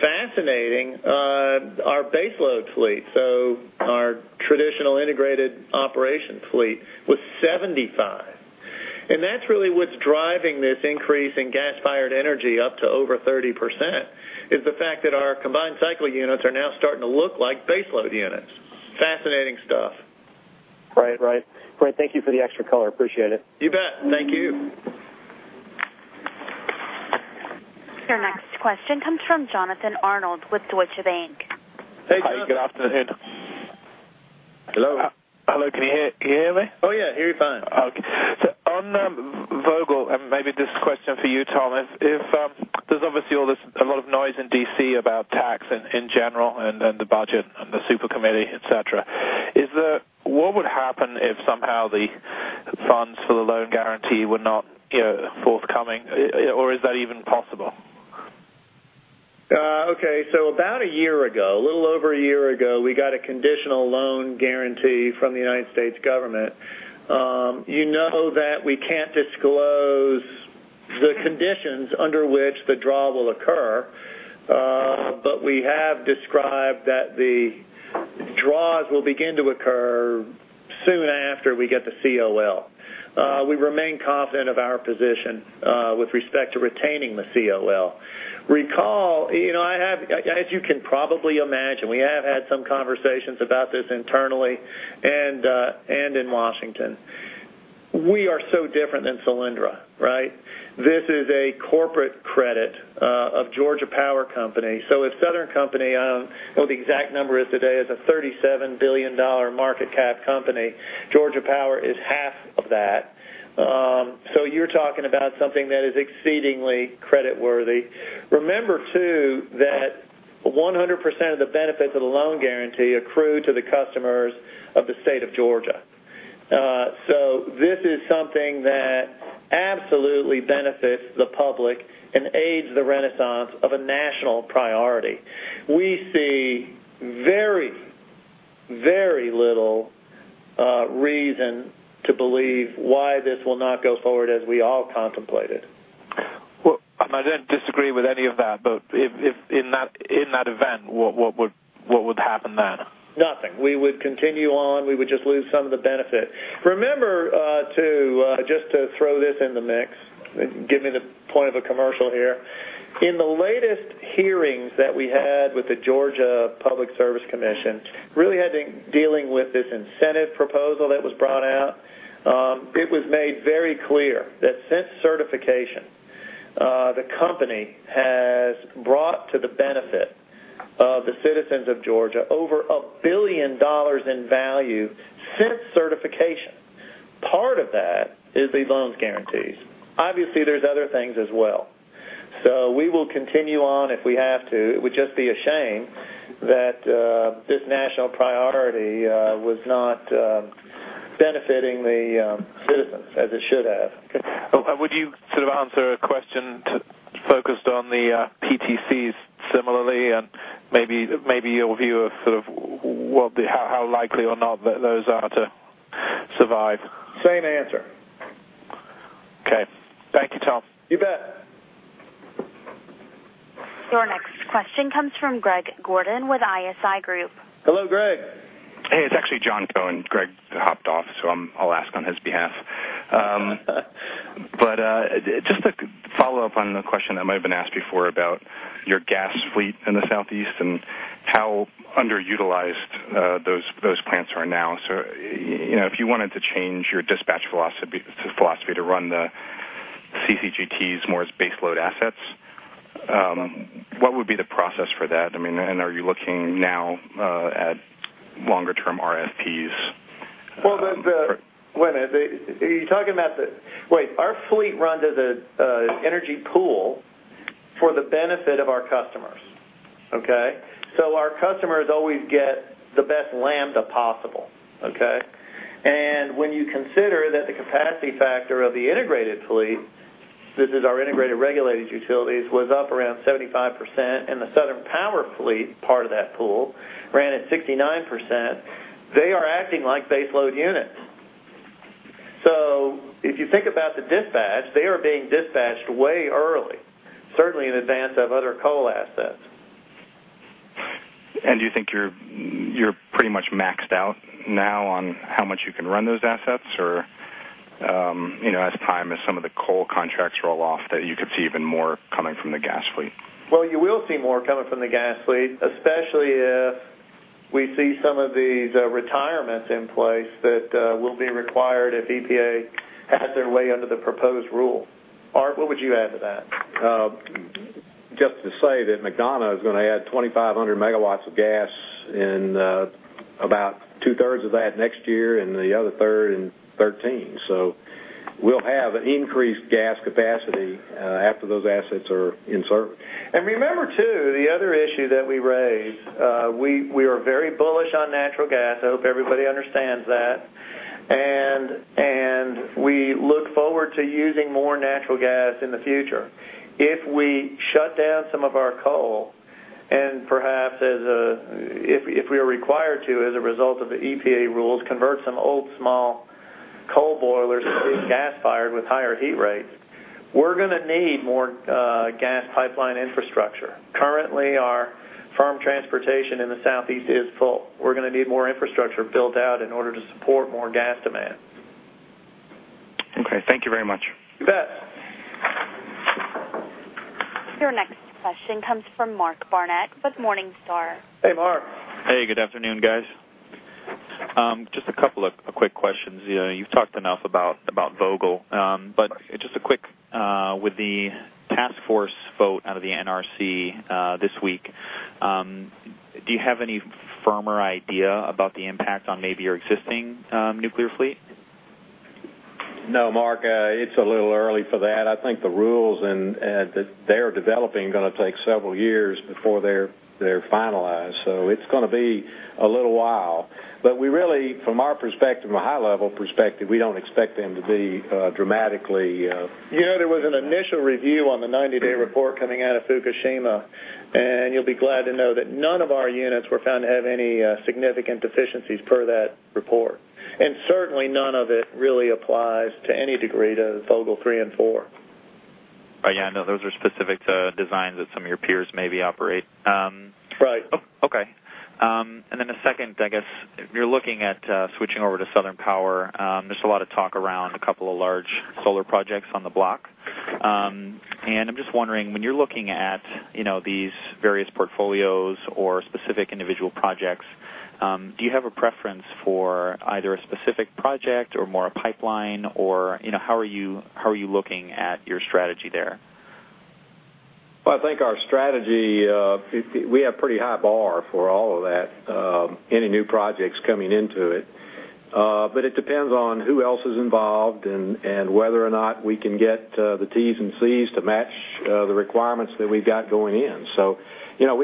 Fascinating. Our baseload fleet, so our traditional integrated operation fleet, was 75%. That's really what's driving this increase in gas-fired energy up to over 30%, is the fact that our combined cycle units are now starting to look like baseload units. Fascinating stuff. Right, right. Great. Thank you for the extra color. Appreciate it. You bet. Thank you. Your next question comes from Jonathan Arnold with Deutsche Bank. Hey, Jon. Good afternoon. Hello. Can you hear me? Oh, yeah. We're fine. Okay. On Vogtle, and maybe this question for you, Tom, if there's obviously all this, a lot of noise in D.C. about tax in general and the budget and the supercommittee, etc., what would happen if somehow the funds for the loan guarantee were not forthcoming, or is that even possible? About a year ago, a little over a year ago, we got a conditional loan guarantee from the United States government. You know that we can't disclose the conditions under which the draw will occur, but we have described that the draws will begin to occur soon after we get the COL. We remain confident of our position with respect to retaining the COL. Recall, you know, I have, as you can probably imagine, we have had some conversations about this internally and in Washington. We are so different than Solyndra, right? This is a corporate credit of Georgia Power. If Southern Company, well, the exact number today is a $37 billion market cap company. Georgia Power is half of that. You're talking about something that is exceedingly creditworthy. Remember, too, that 100% of the benefits of the loan guarantee accrue to the customers of the state of Georgia. This is something that absolutely benefits the public and aids the renaissance of a national priority. We see very, very little reason to believe why this will not go forward as we all contemplated. I don't disagree with any of that, but in that event, what would happen then? Nothing. We would continue on. We would just lose some of the benefit. Remember, too, just to throw this in the mix, give me the point of a commercial here. In the latest hearings that we had with the Georgia Public Service Commission, really dealing with this incentive proposal that was brought out, it was made very clear that since certification, the company has brought to the benefit of the citizens of Georgia over $1 billion in value since certification. Part of that is the loan guarantees. Obviously, there's other things as well. We will continue on if we have to. It would just be a shame that this national priority was not benefiting the citizens as it should have. Would you answer a question focused on the PTCs similarly and maybe your view of how likely or not those are to survive? Same answer. Okay. Thank you, Tom. You bet. Your next question comes from Greg Gordon with ISI Group. Hello, Greg. Hey, it's actually John Cohen. Greg hopped off, so I'll ask on his behalf. Just to follow up on the question that might have been asked before about your gas fleet in the Southeast and how underutilized those plants are now. If you wanted to change your dispatch philosophy to run the CCGTs more as baseload assets, what would be the process for that? I mean, are you looking now at longer-term RFPs? Cohen, are you talking about the, wait, our fleet runs as an energy pool for the benefit of our customers. Our customers always get the best lambda possible. When you consider that the capacity factor of the integrated fleet, this is our integrated regulated utilities, was up around 75%, and the Southern Power fleet, part of that pool, ran at 69%, they are acting like baseload units. If you think about the dispatch, they are being dispatched way early, certainly in advance of other coal assets. Do you think you're pretty much maxed out now on how much you can run those assets, or as some of the coal contracts roll off, that you could see even more coming from the gas fleet? You will see more coming from the gas fleet, especially if we see some of these retirements in place that will be required if the U.S. Environmental Protection Agency has their way under the proposed rule. Art, what would you add to that? Just to say that McDonough is going to add 2,500 MW of gas in about two-thirds of that next year, and the other third in 2013. We'll have an increased gas capacity after those assets are in service. Remember, too, the other issue that we raised. We are very bullish on natural gas. I hope everybody understands that. We look forward to using more natural gas in the future. If we shut down some of our coal and perhaps, if we are required to as a result of the EPA rules, convert some old small coal boilers to be gas-fired with higher heat rates, we are going to need more gas pipeline infrastructure. Currently, our firm transportation in the Southeast is full. We are going to need more infrastructure built out in order to support more gas demand. Okay, thank you very much. You bet. Your next question comes from Mark Barnett with Morningstar. Hey, Mark. Hey, good afternoon, guys. Just a couple of quick questions. You've talked enough about Vogtle, but just a quick, with the task force vote out of the NRC this week, do you have any firmer idea about the impact on maybe your existing nuclear fleet? No, Mark, it's a little early for that. I think the rules that they're developing are going to take several years before they're finalized. It's going to be a little while. From our perspective, a high-level perspective, we don't expect them to be dramatically. You know, there was an initial review on the 90-day report coming out of Fukushima, and you'll be glad to know that none of our units were found to have any significant deficiencies per that report. Certainly, none of it really applies to any degree to Plant Vogtle Units 3 and 4. Yeah, I know those are specific to designs that some of your peers maybe operate. Right. Okay. The second, I guess, you're looking at switching over to Southern Power. There's a lot of talk around a couple of large solar projects on the block. I'm just wondering, when you're looking at these various portfolios or specific individual projects, do you have a preference for either a specific project or more a pipeline, or how are you looking at your strategy there? I think our strategy, we have a pretty high bar for all of that, any new projects coming into it. It depends on who else is involved and whether or not we can get the Ts and Cs to match the requirements that we've got going in. You know,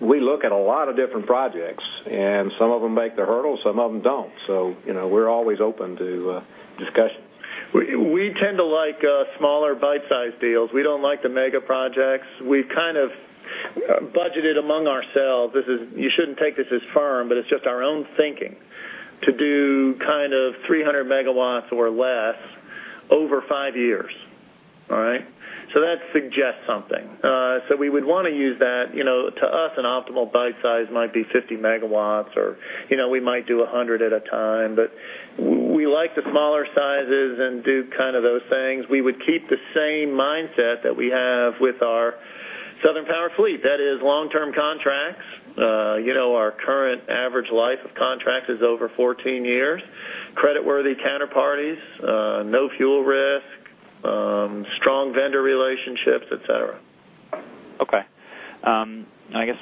we look at a lot of different projects, and some of them make the hurdle, some of them don't. You know, we're always open to discussion. We tend to like smaller bite-sized deals. We don't like the mega projects. We've kind of budgeted among ourselves. You shouldn't take this as firm, but it's just our own thinking to do kind of 300 MW or less over five years. That suggests something. We would want to use that. To us, an optimal bite size might be 50 MW or, you know, we might do 100 MW at a time. We like the smaller sizes and do kind of those things. We would keep the same mindset that we have with our Southern Power fleet. That is long-term contracts. Our current average life of contracts is over 14 years, creditworthy counterparties, no fuel risk, strong vendor relationships, etc. Okay. I guess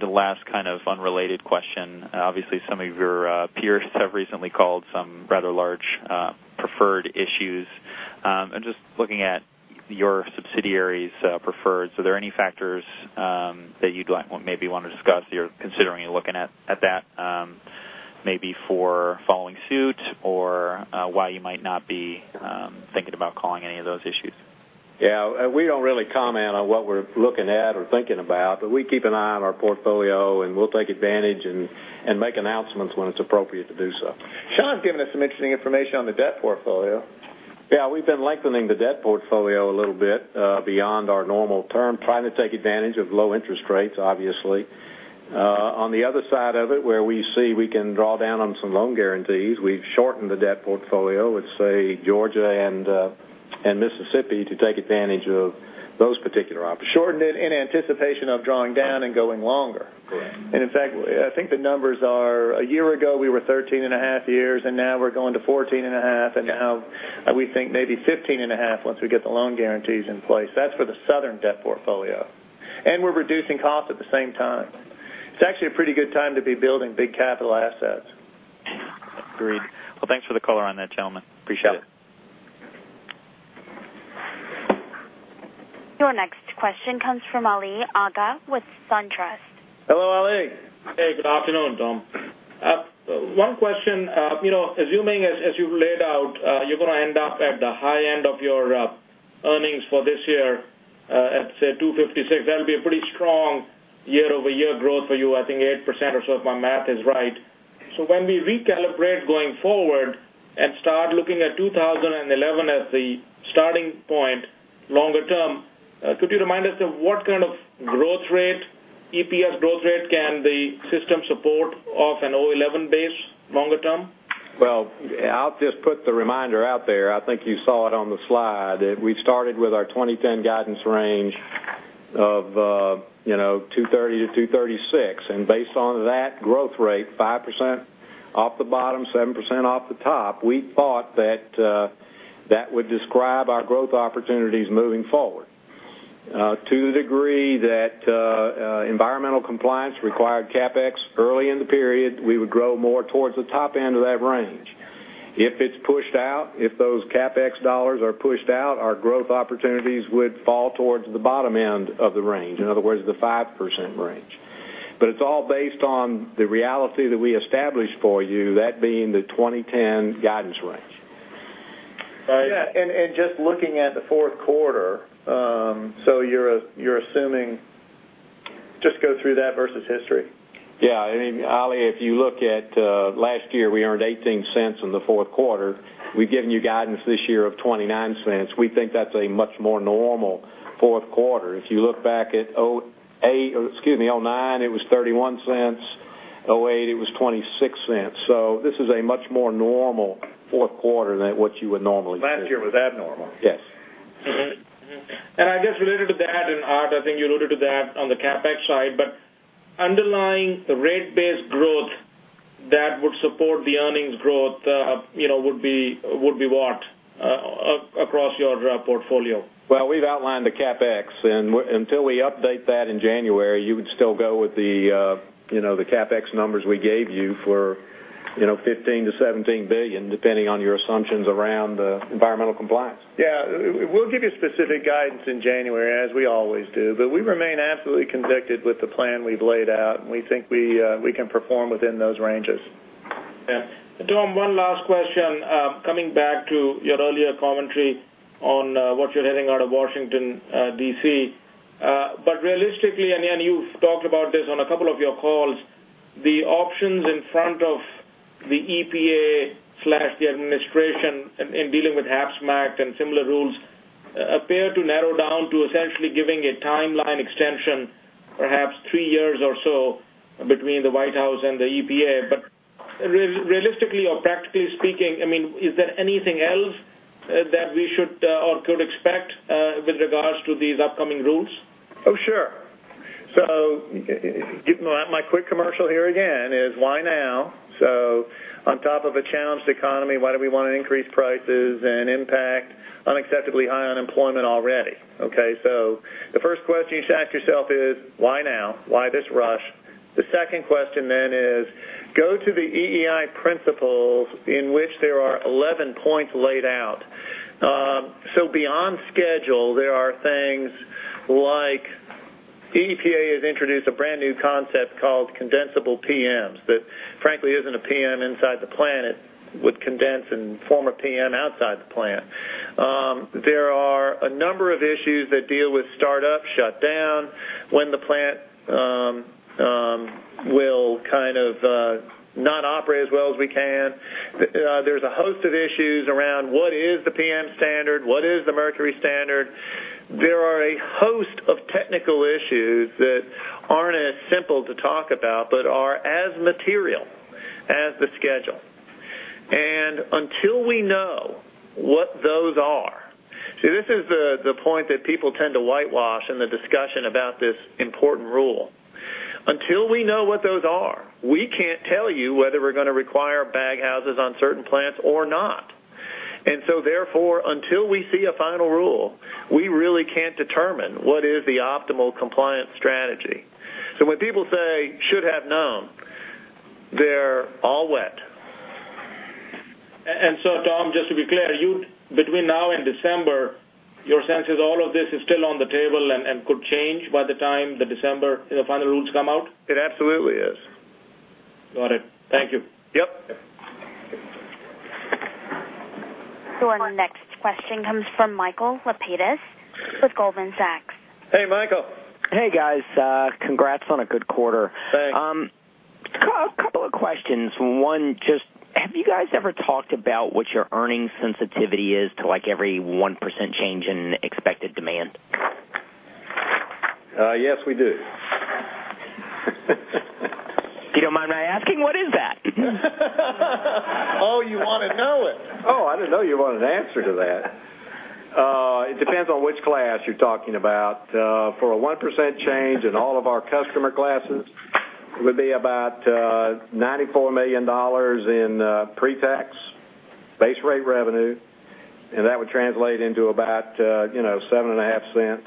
the last kind of unrelated question, obviously, some of your peers have recently called some rather large preferred issues. Just looking at your subsidiaries' preferred, are there any factors that you'd maybe want to discuss that you're considering, you're looking at that maybe for following suit or why you might not be thinking about calling any of those issues? We don't really comment on what we're looking at or thinking about, but we keep an eye on our portfolio and we'll take advantage and make announcements when it's appropriate to do so. Sean's given us some interesting information on the debt portfolio. Yeah, we've been lengthening the debt portfolio a little bit beyond our normal term, trying to take advantage of low interest rates, obviously. On the other side of it, where we see we can draw down on some loan guarantees, we've shortened the debt portfolio with, say, Georgia and Mississippi to take advantage of those particular options. Shortened it in anticipation of drawing down and going longer. Correct. In fact, I think the numbers are a year ago, we were 13.5 years, and now we're going to 14.5, and now we think maybe 15.5 once we get the loan guarantees in place. That's for the Southern debt portfolio. We're reducing costs at the same time. It's actually a pretty good time to be building big capital assets. Agreed. Thanks for the color on that, gentlemen. Appreciate it. Your next question comes from Ali Agha with SunTrust. Hello, Ali. Hey, good afternoon, Tom. One question. You know, assuming as you've laid out, you're going to end up at the high end of your earnings for this year, at, say, $2.56. That'll be a pretty strong year-over-year growth for you. I think 8% or so, if my math is right. When we recalibrate going forward and start looking at 2011 as the starting point longer term, could you remind us of what kind of growth rate, EPS growth rate, can the system support off a 2011 base longer term? I will just put the reminder out there. I think you saw it on the slide that we started with our 2010 guidance range of $2.30-$2.36. Based on that growth rate, 5% off the bottom, 7% off the top, we thought that that would describe our growth opportunities moving forward. To the degree that environmental compliance required CapEx early in the period, we would grow more towards the top end of that range. If it's pushed out, if those CapEx dollars are pushed out, our growth opportunities would fall towards the bottom end of the range, in other words, the 5% range. It's all based on the reality that we established for you, that being the 2010 guidance range. Yeah, just looking at the fourth quarter, you're assuming just go through that versus history. Yeah, I mean, Ali, if you look at last year, we earned $0.18 in the fourth quarter. We've given you guidance this year of $0.29. We think that's a much more normal fourth quarter. If you look back at 2009, excuse me, 2008, it was $0.31. 2008, it was $0.26. This is a much more normal fourth quarter than what you would normally see. Last year was abnormal. Yes. I just related to that, and Art, I think you alluded to that on the CapEx side, but underlying rate-based growth that would support the earnings growth, you know, would be what across your portfolio? We've outlined the CapEx, and until we update that in January, you would still go with the CapEx numbers we gave you for $15 billion-$17 billion, depending on your assumptions around the environmental compliance. Yeah, we'll give you specific guidance in January, as we always do. We remain absolutely convicted with the plan we've laid out, and we think we can perform within those ranges. Yeah. Tom, one last question, coming back to your earlier commentary on what you're hearing out of Washington, DC. Realistically, and you've talked about this on a couple of your calls, the options in front of the EPA or the administration in dealing with HAPs MACT and similar rules appear to narrow down to essentially giving a timeline extension, perhaps three years or so between the White House and the EPA. Realistically or practically speaking, is there anything else that we should or could expect with regards to these upcoming rules? Oh, sure. My quick commercial here again is why now? On top of a challenged economy, why do we want to increase prices and impact unacceptably high unemployment already? The first question you should ask yourself is why now? Why this rush? The second question then is go to the EEI principles in which there are 11 points laid out. Beyond schedule, there are things like the EPA has introduced a brand new concept called condensable PMs that frankly isn't a PM inside the plant. It would condense and form a PM outside the plant. There are a number of issues that deal with startups, shutdown, when the plant will kind of not operate as well as we can. There's a host of issues around what is the PM standard, what is the mercury standard. There are a host of technical issues that aren't as simple to talk about, but are as material as the schedule. Until we know what those are, this is the point that people tend to whitewash in the discussion about this important rule. Until we know what those are, we can't tell you whether we're going to require bag houses on certain plants or not. Therefore, until we see a final rule, we really can't determine what is the optimal compliance strategy. When people say should have known, they're all wet. Tom, just to be clear, between now and December, your sense is all of this is still on the table and could change by the time the December final rules come out? It absolutely is. Got it. Thank you. Yep. Your next question comes from Michael Lapidus with Goldman Sachs Group Inc. Hey, Michael. Hey, guys. Congrats on a good quarter. Thanks. A couple of questions. One, just have you guys ever talked about what your earnings sensitivity is to like every 1% change in expected demand? Yes, we do. You don't mind my asking, what is that? Oh, you want to know it? I didn't know you wanted an answer to that. It depends on which class you're talking about. For a 1% change in all of our customer classes, it would be about $94 million in pre-tax base rate revenue, and that would translate into about $0.075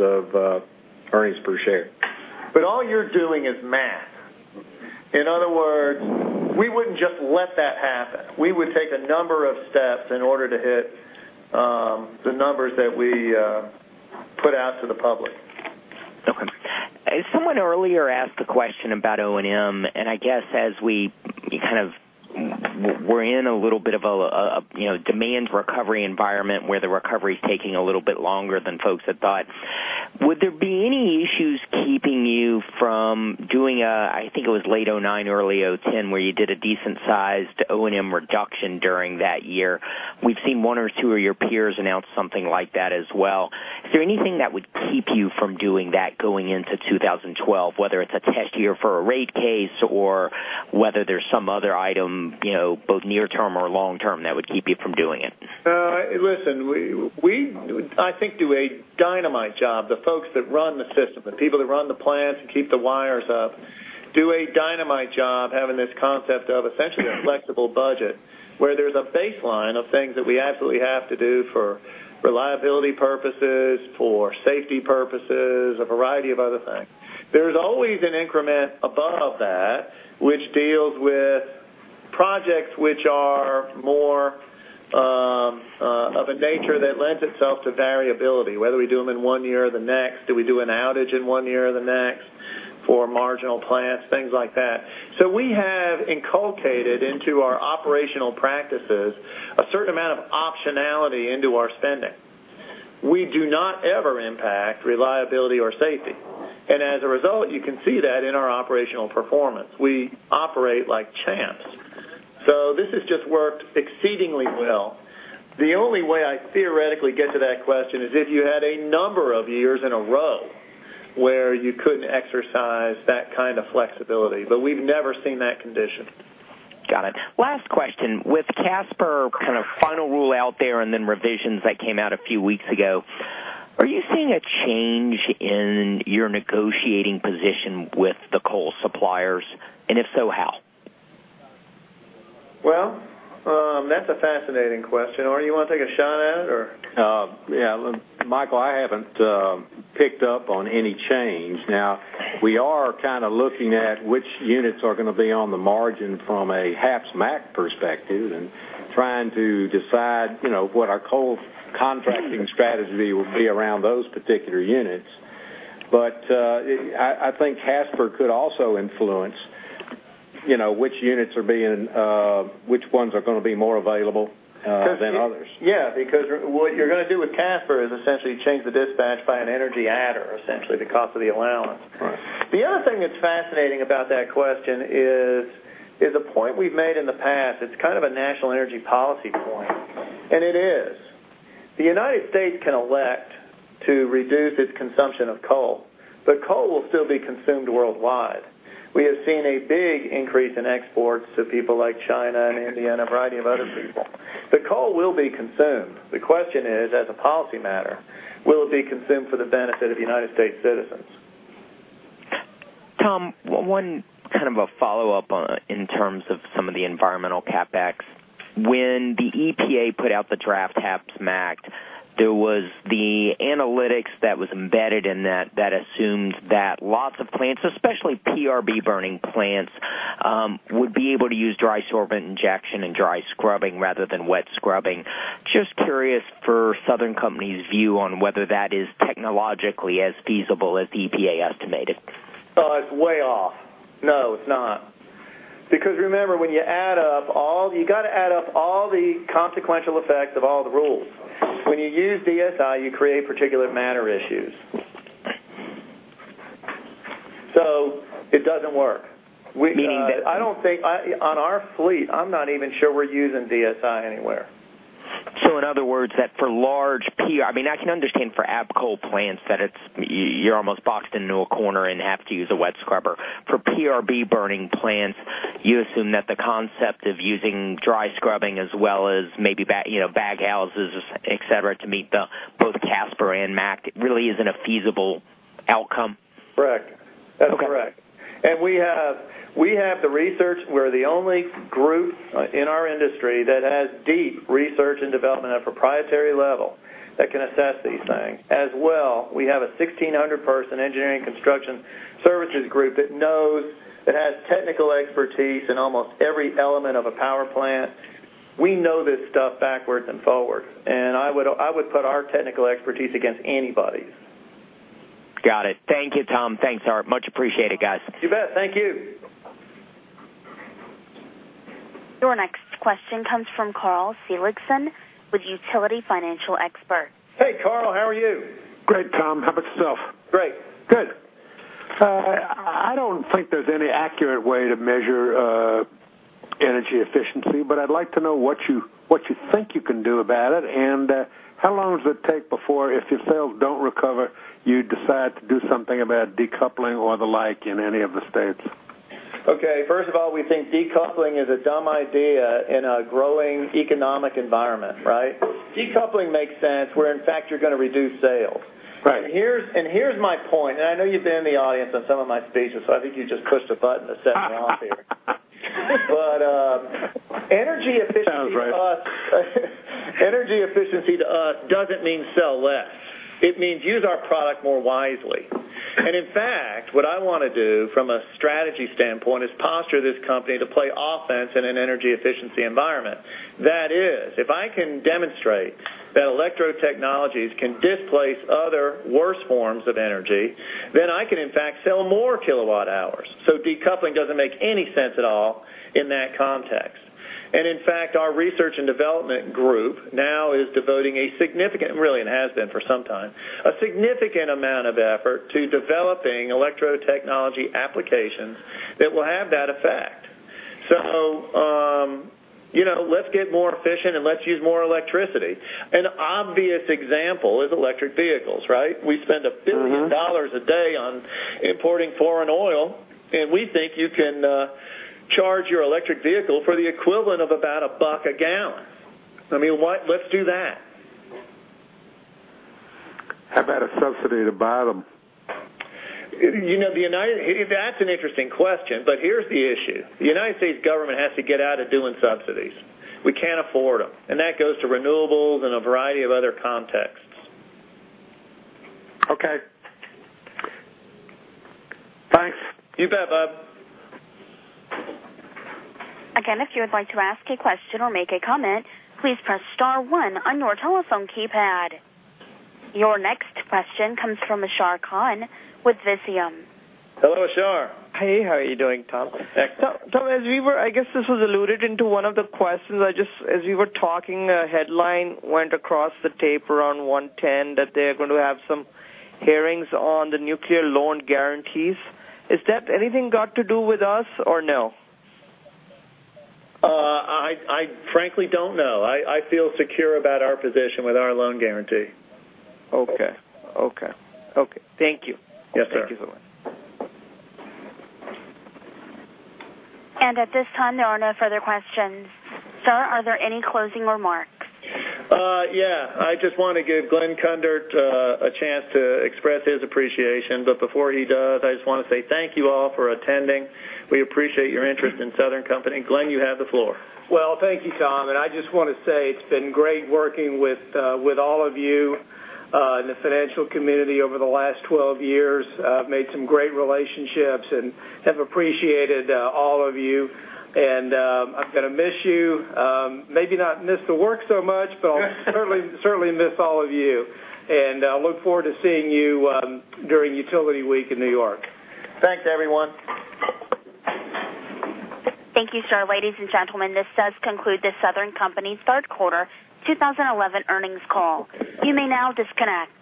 ± of earnings per share. All you're doing is math. In other words, we wouldn't just let that happen. We would take a number of steps in order to hit the numbers that we put out to the public. Okay. Someone earlier asked the question about O&M, and I guess as we kind of were in a little bit of a demand recovery environment where the recovery is taking a little bit longer than folks had thought, would there be any issues keeping you from doing a, I think it was late 2009, early 2010, where you did a decent-sized O&M reduction during that year? We've seen one or two of your peers announce something like that as well. Is there anything that would keep you from doing that going into 2012, whether it's a test year for a rate case or whether there's some other item, you know, both near-term or long-term that would keep you from doing it? Listen, we, I think, do a dynamite job. The folks that run the system, the people that run the plants and keep the wires up, do a dynamite job having this concept of essentially a flexible budget where there's a baseline of things that we absolutely have to do for reliability purposes, for safety purposes, a variety of other things. There's always an increment above that, which deals with projects which are more of a nature that lends itself to variability, whether we do them in one year or the next. Do we do an outage in one year or the next for marginal plants, things like that? We have inculcated into our operational practices a certain amount of optionality into our spending. We do not ever impact reliability or safety. As a result, you can see that in our operational performance. We operate like champs. This has just worked exceedingly well. The only way I theoretically get to that question is if you had a number of years in a row where you couldn't exercise that kind of flexibility, but we've never seen that condition. Got it. Last question. With HAPs MACT, kind of final rule out there and then revisions that came out a few weeks ago, are you seeing a change in your negotiating position with the coal suppliers? If so, how? That's a fascinating question. Art you want to take a shot at it? Yeah. Michael, I haven't picked up on any change. Now, we are kind of looking at which units are going to be on the margin from a HAPs MACT perspective and trying to decide, you know, what our coal contracting strategy will be around those particular units. I think CASPR could also influence, you know, which units are being, which ones are going to be more available than others. Yeah, because what you're going to do with Kemper is essentially change the dispatch by an energy adder, essentially, because of the allowance. Right. The other thing that's fascinating about that question is a point we've made in the past. It's kind of a national energy policy point. It is. The United States can elect to reduce its consumption of coal, but coal will still be consumed worldwide. We have seen a big increase in exports to people like China and India and a variety of other people. The coal will be consumed. The question is, as a policy matter, will it be consumed for the benefit of United States citizens? Tom, one kind of a follow-up in terms of some of the environmental CapEx. When the EPA put out the draft HAPs MACT, there was the analytics that was embedded in that that assumes that lots of plants, especially PRB burning plants, would be able to use dry sorbent injection and dry scrubbing rather than wet scrubbing. Just curious for Southern Company's view on whether that is technologically as feasible as the EPA estimated. Oh, it's way off. No, it's not. Because remember, when you add up all, you got to add up all the consequential effect of all the rules. When you use DSI, you create particulate matter issues. It doesn't work. Meaning that. I don't think on our fleet, I'm not even sure we're using DSI anywhere. In other words, for large PRB, I mean, I can understand for APCO plants that you're almost boxed into a corner and have to use a wet scrubber. For PRB burning plants, you assume that the concept of using dry scrubbing as well as maybe, you know, baghouses, etc., to meet both CASPR and MACT really isn't a feasible outcome. Correct. That's correct. We have the research. We're the only group in our industry has deep research and development at a proprietary level that can assess these things. As well, we have a 1,600-person engineering and construction services group that knows, that has technical expertise in almost every element of a power plant. We know this stuff backwards and forwards, and I would put our technical expertise against anybody's. Got it. Thank you, Tom. Thanks, Art. Much appreciated, guys. You bet. Thank you. Our next question comes from Carl Seligson, a utility financial expert. Hey, Carl. How are you? Great, Tom. How about yourself? Great. Good. I don't think there's any accurate way to measure energy efficiency, but I'd like to know what you think you can do about it, and how long does it take before, if your sales don't recover, you decide to do something about decoupling or the like in any of the states? Okay. First of all, we think decoupling is a dumb idea in a growing economic environment, right? Decoupling makes sense where, in fact, you're going to reduce sales. Right. Here's my point, and I know you've been in the audience on some of my speeches. I think you just pushed a button to set me off here. Sounds right. Energy efficiency to us doesn't mean sell less. It means use our product more wisely. In fact, what I want to do from a strategy standpoint is posture this company to play offense in an energy efficiency environment. That is, if I can demonstrate that electro-technologies can displace other worse forms of energy, then I can, in fact, sell more kilowatt hours. Decoupling doesn't make any sense at all in that context. In fact, our research and development group now is devoting a significant, and really has been for some time, a significant amount of effort to developing electro-technology applications that will have that effect. Let's get more efficient and let's use more electricity. An obvious example is electric vehicles, right? We spend $1 billion a day on importing foreign oil, and we think you can charge your electric vehicle for the equivalent of about $1 a gallon. I mean, what? Let's do that. How about a subsidy to buy them? That's an interesting question, here's the issue. The United States government has to get out of doing subsidies. We can't afford them. That goes to renewables and a variety of other contexts. Okay. Again, if you would like to ask a question or make a comment, please press star one on your telephone keypad. Your next question comes from Ashar Khan with Visium. Hello, Ashar. Hey, how are you doing, Tom? Tom, as we were, I guess this was alluded to in one of the questions. As we were talking, a headline went across the tape around 1:10 P.M. that they're going to have some hearings on the nuclear loan guarantees. Is that anything to do with us or no? I frankly don't know. I feel secure about our position with our loan guarantee. Okay. Thank you. Yes, sir. Thank you so much. At this time, there are no further questions. Sir, are there any closing remarks? Yeah, I just want to give Glen Kundert a chance to express his appreciation. Before he does, I just want to say thank you all for attending. We appreciate your interest in Southern Company. Glen, you have the floor. Thank you, Tom. I just want to say it's been great working with all of you in the financial community over the last 12 years. I've made some great relationships and have appreciated all of you. I'm going to miss you. Maybe not miss the work so much, but I'll certainly miss all of you. I look forward to seeing you during Utility Week in New York. Thanks, everyone. Thank you, sir. Ladies and gentlemen, this does conclude The Southern Company's third quarter 2011 earnings call. You may now disconnect.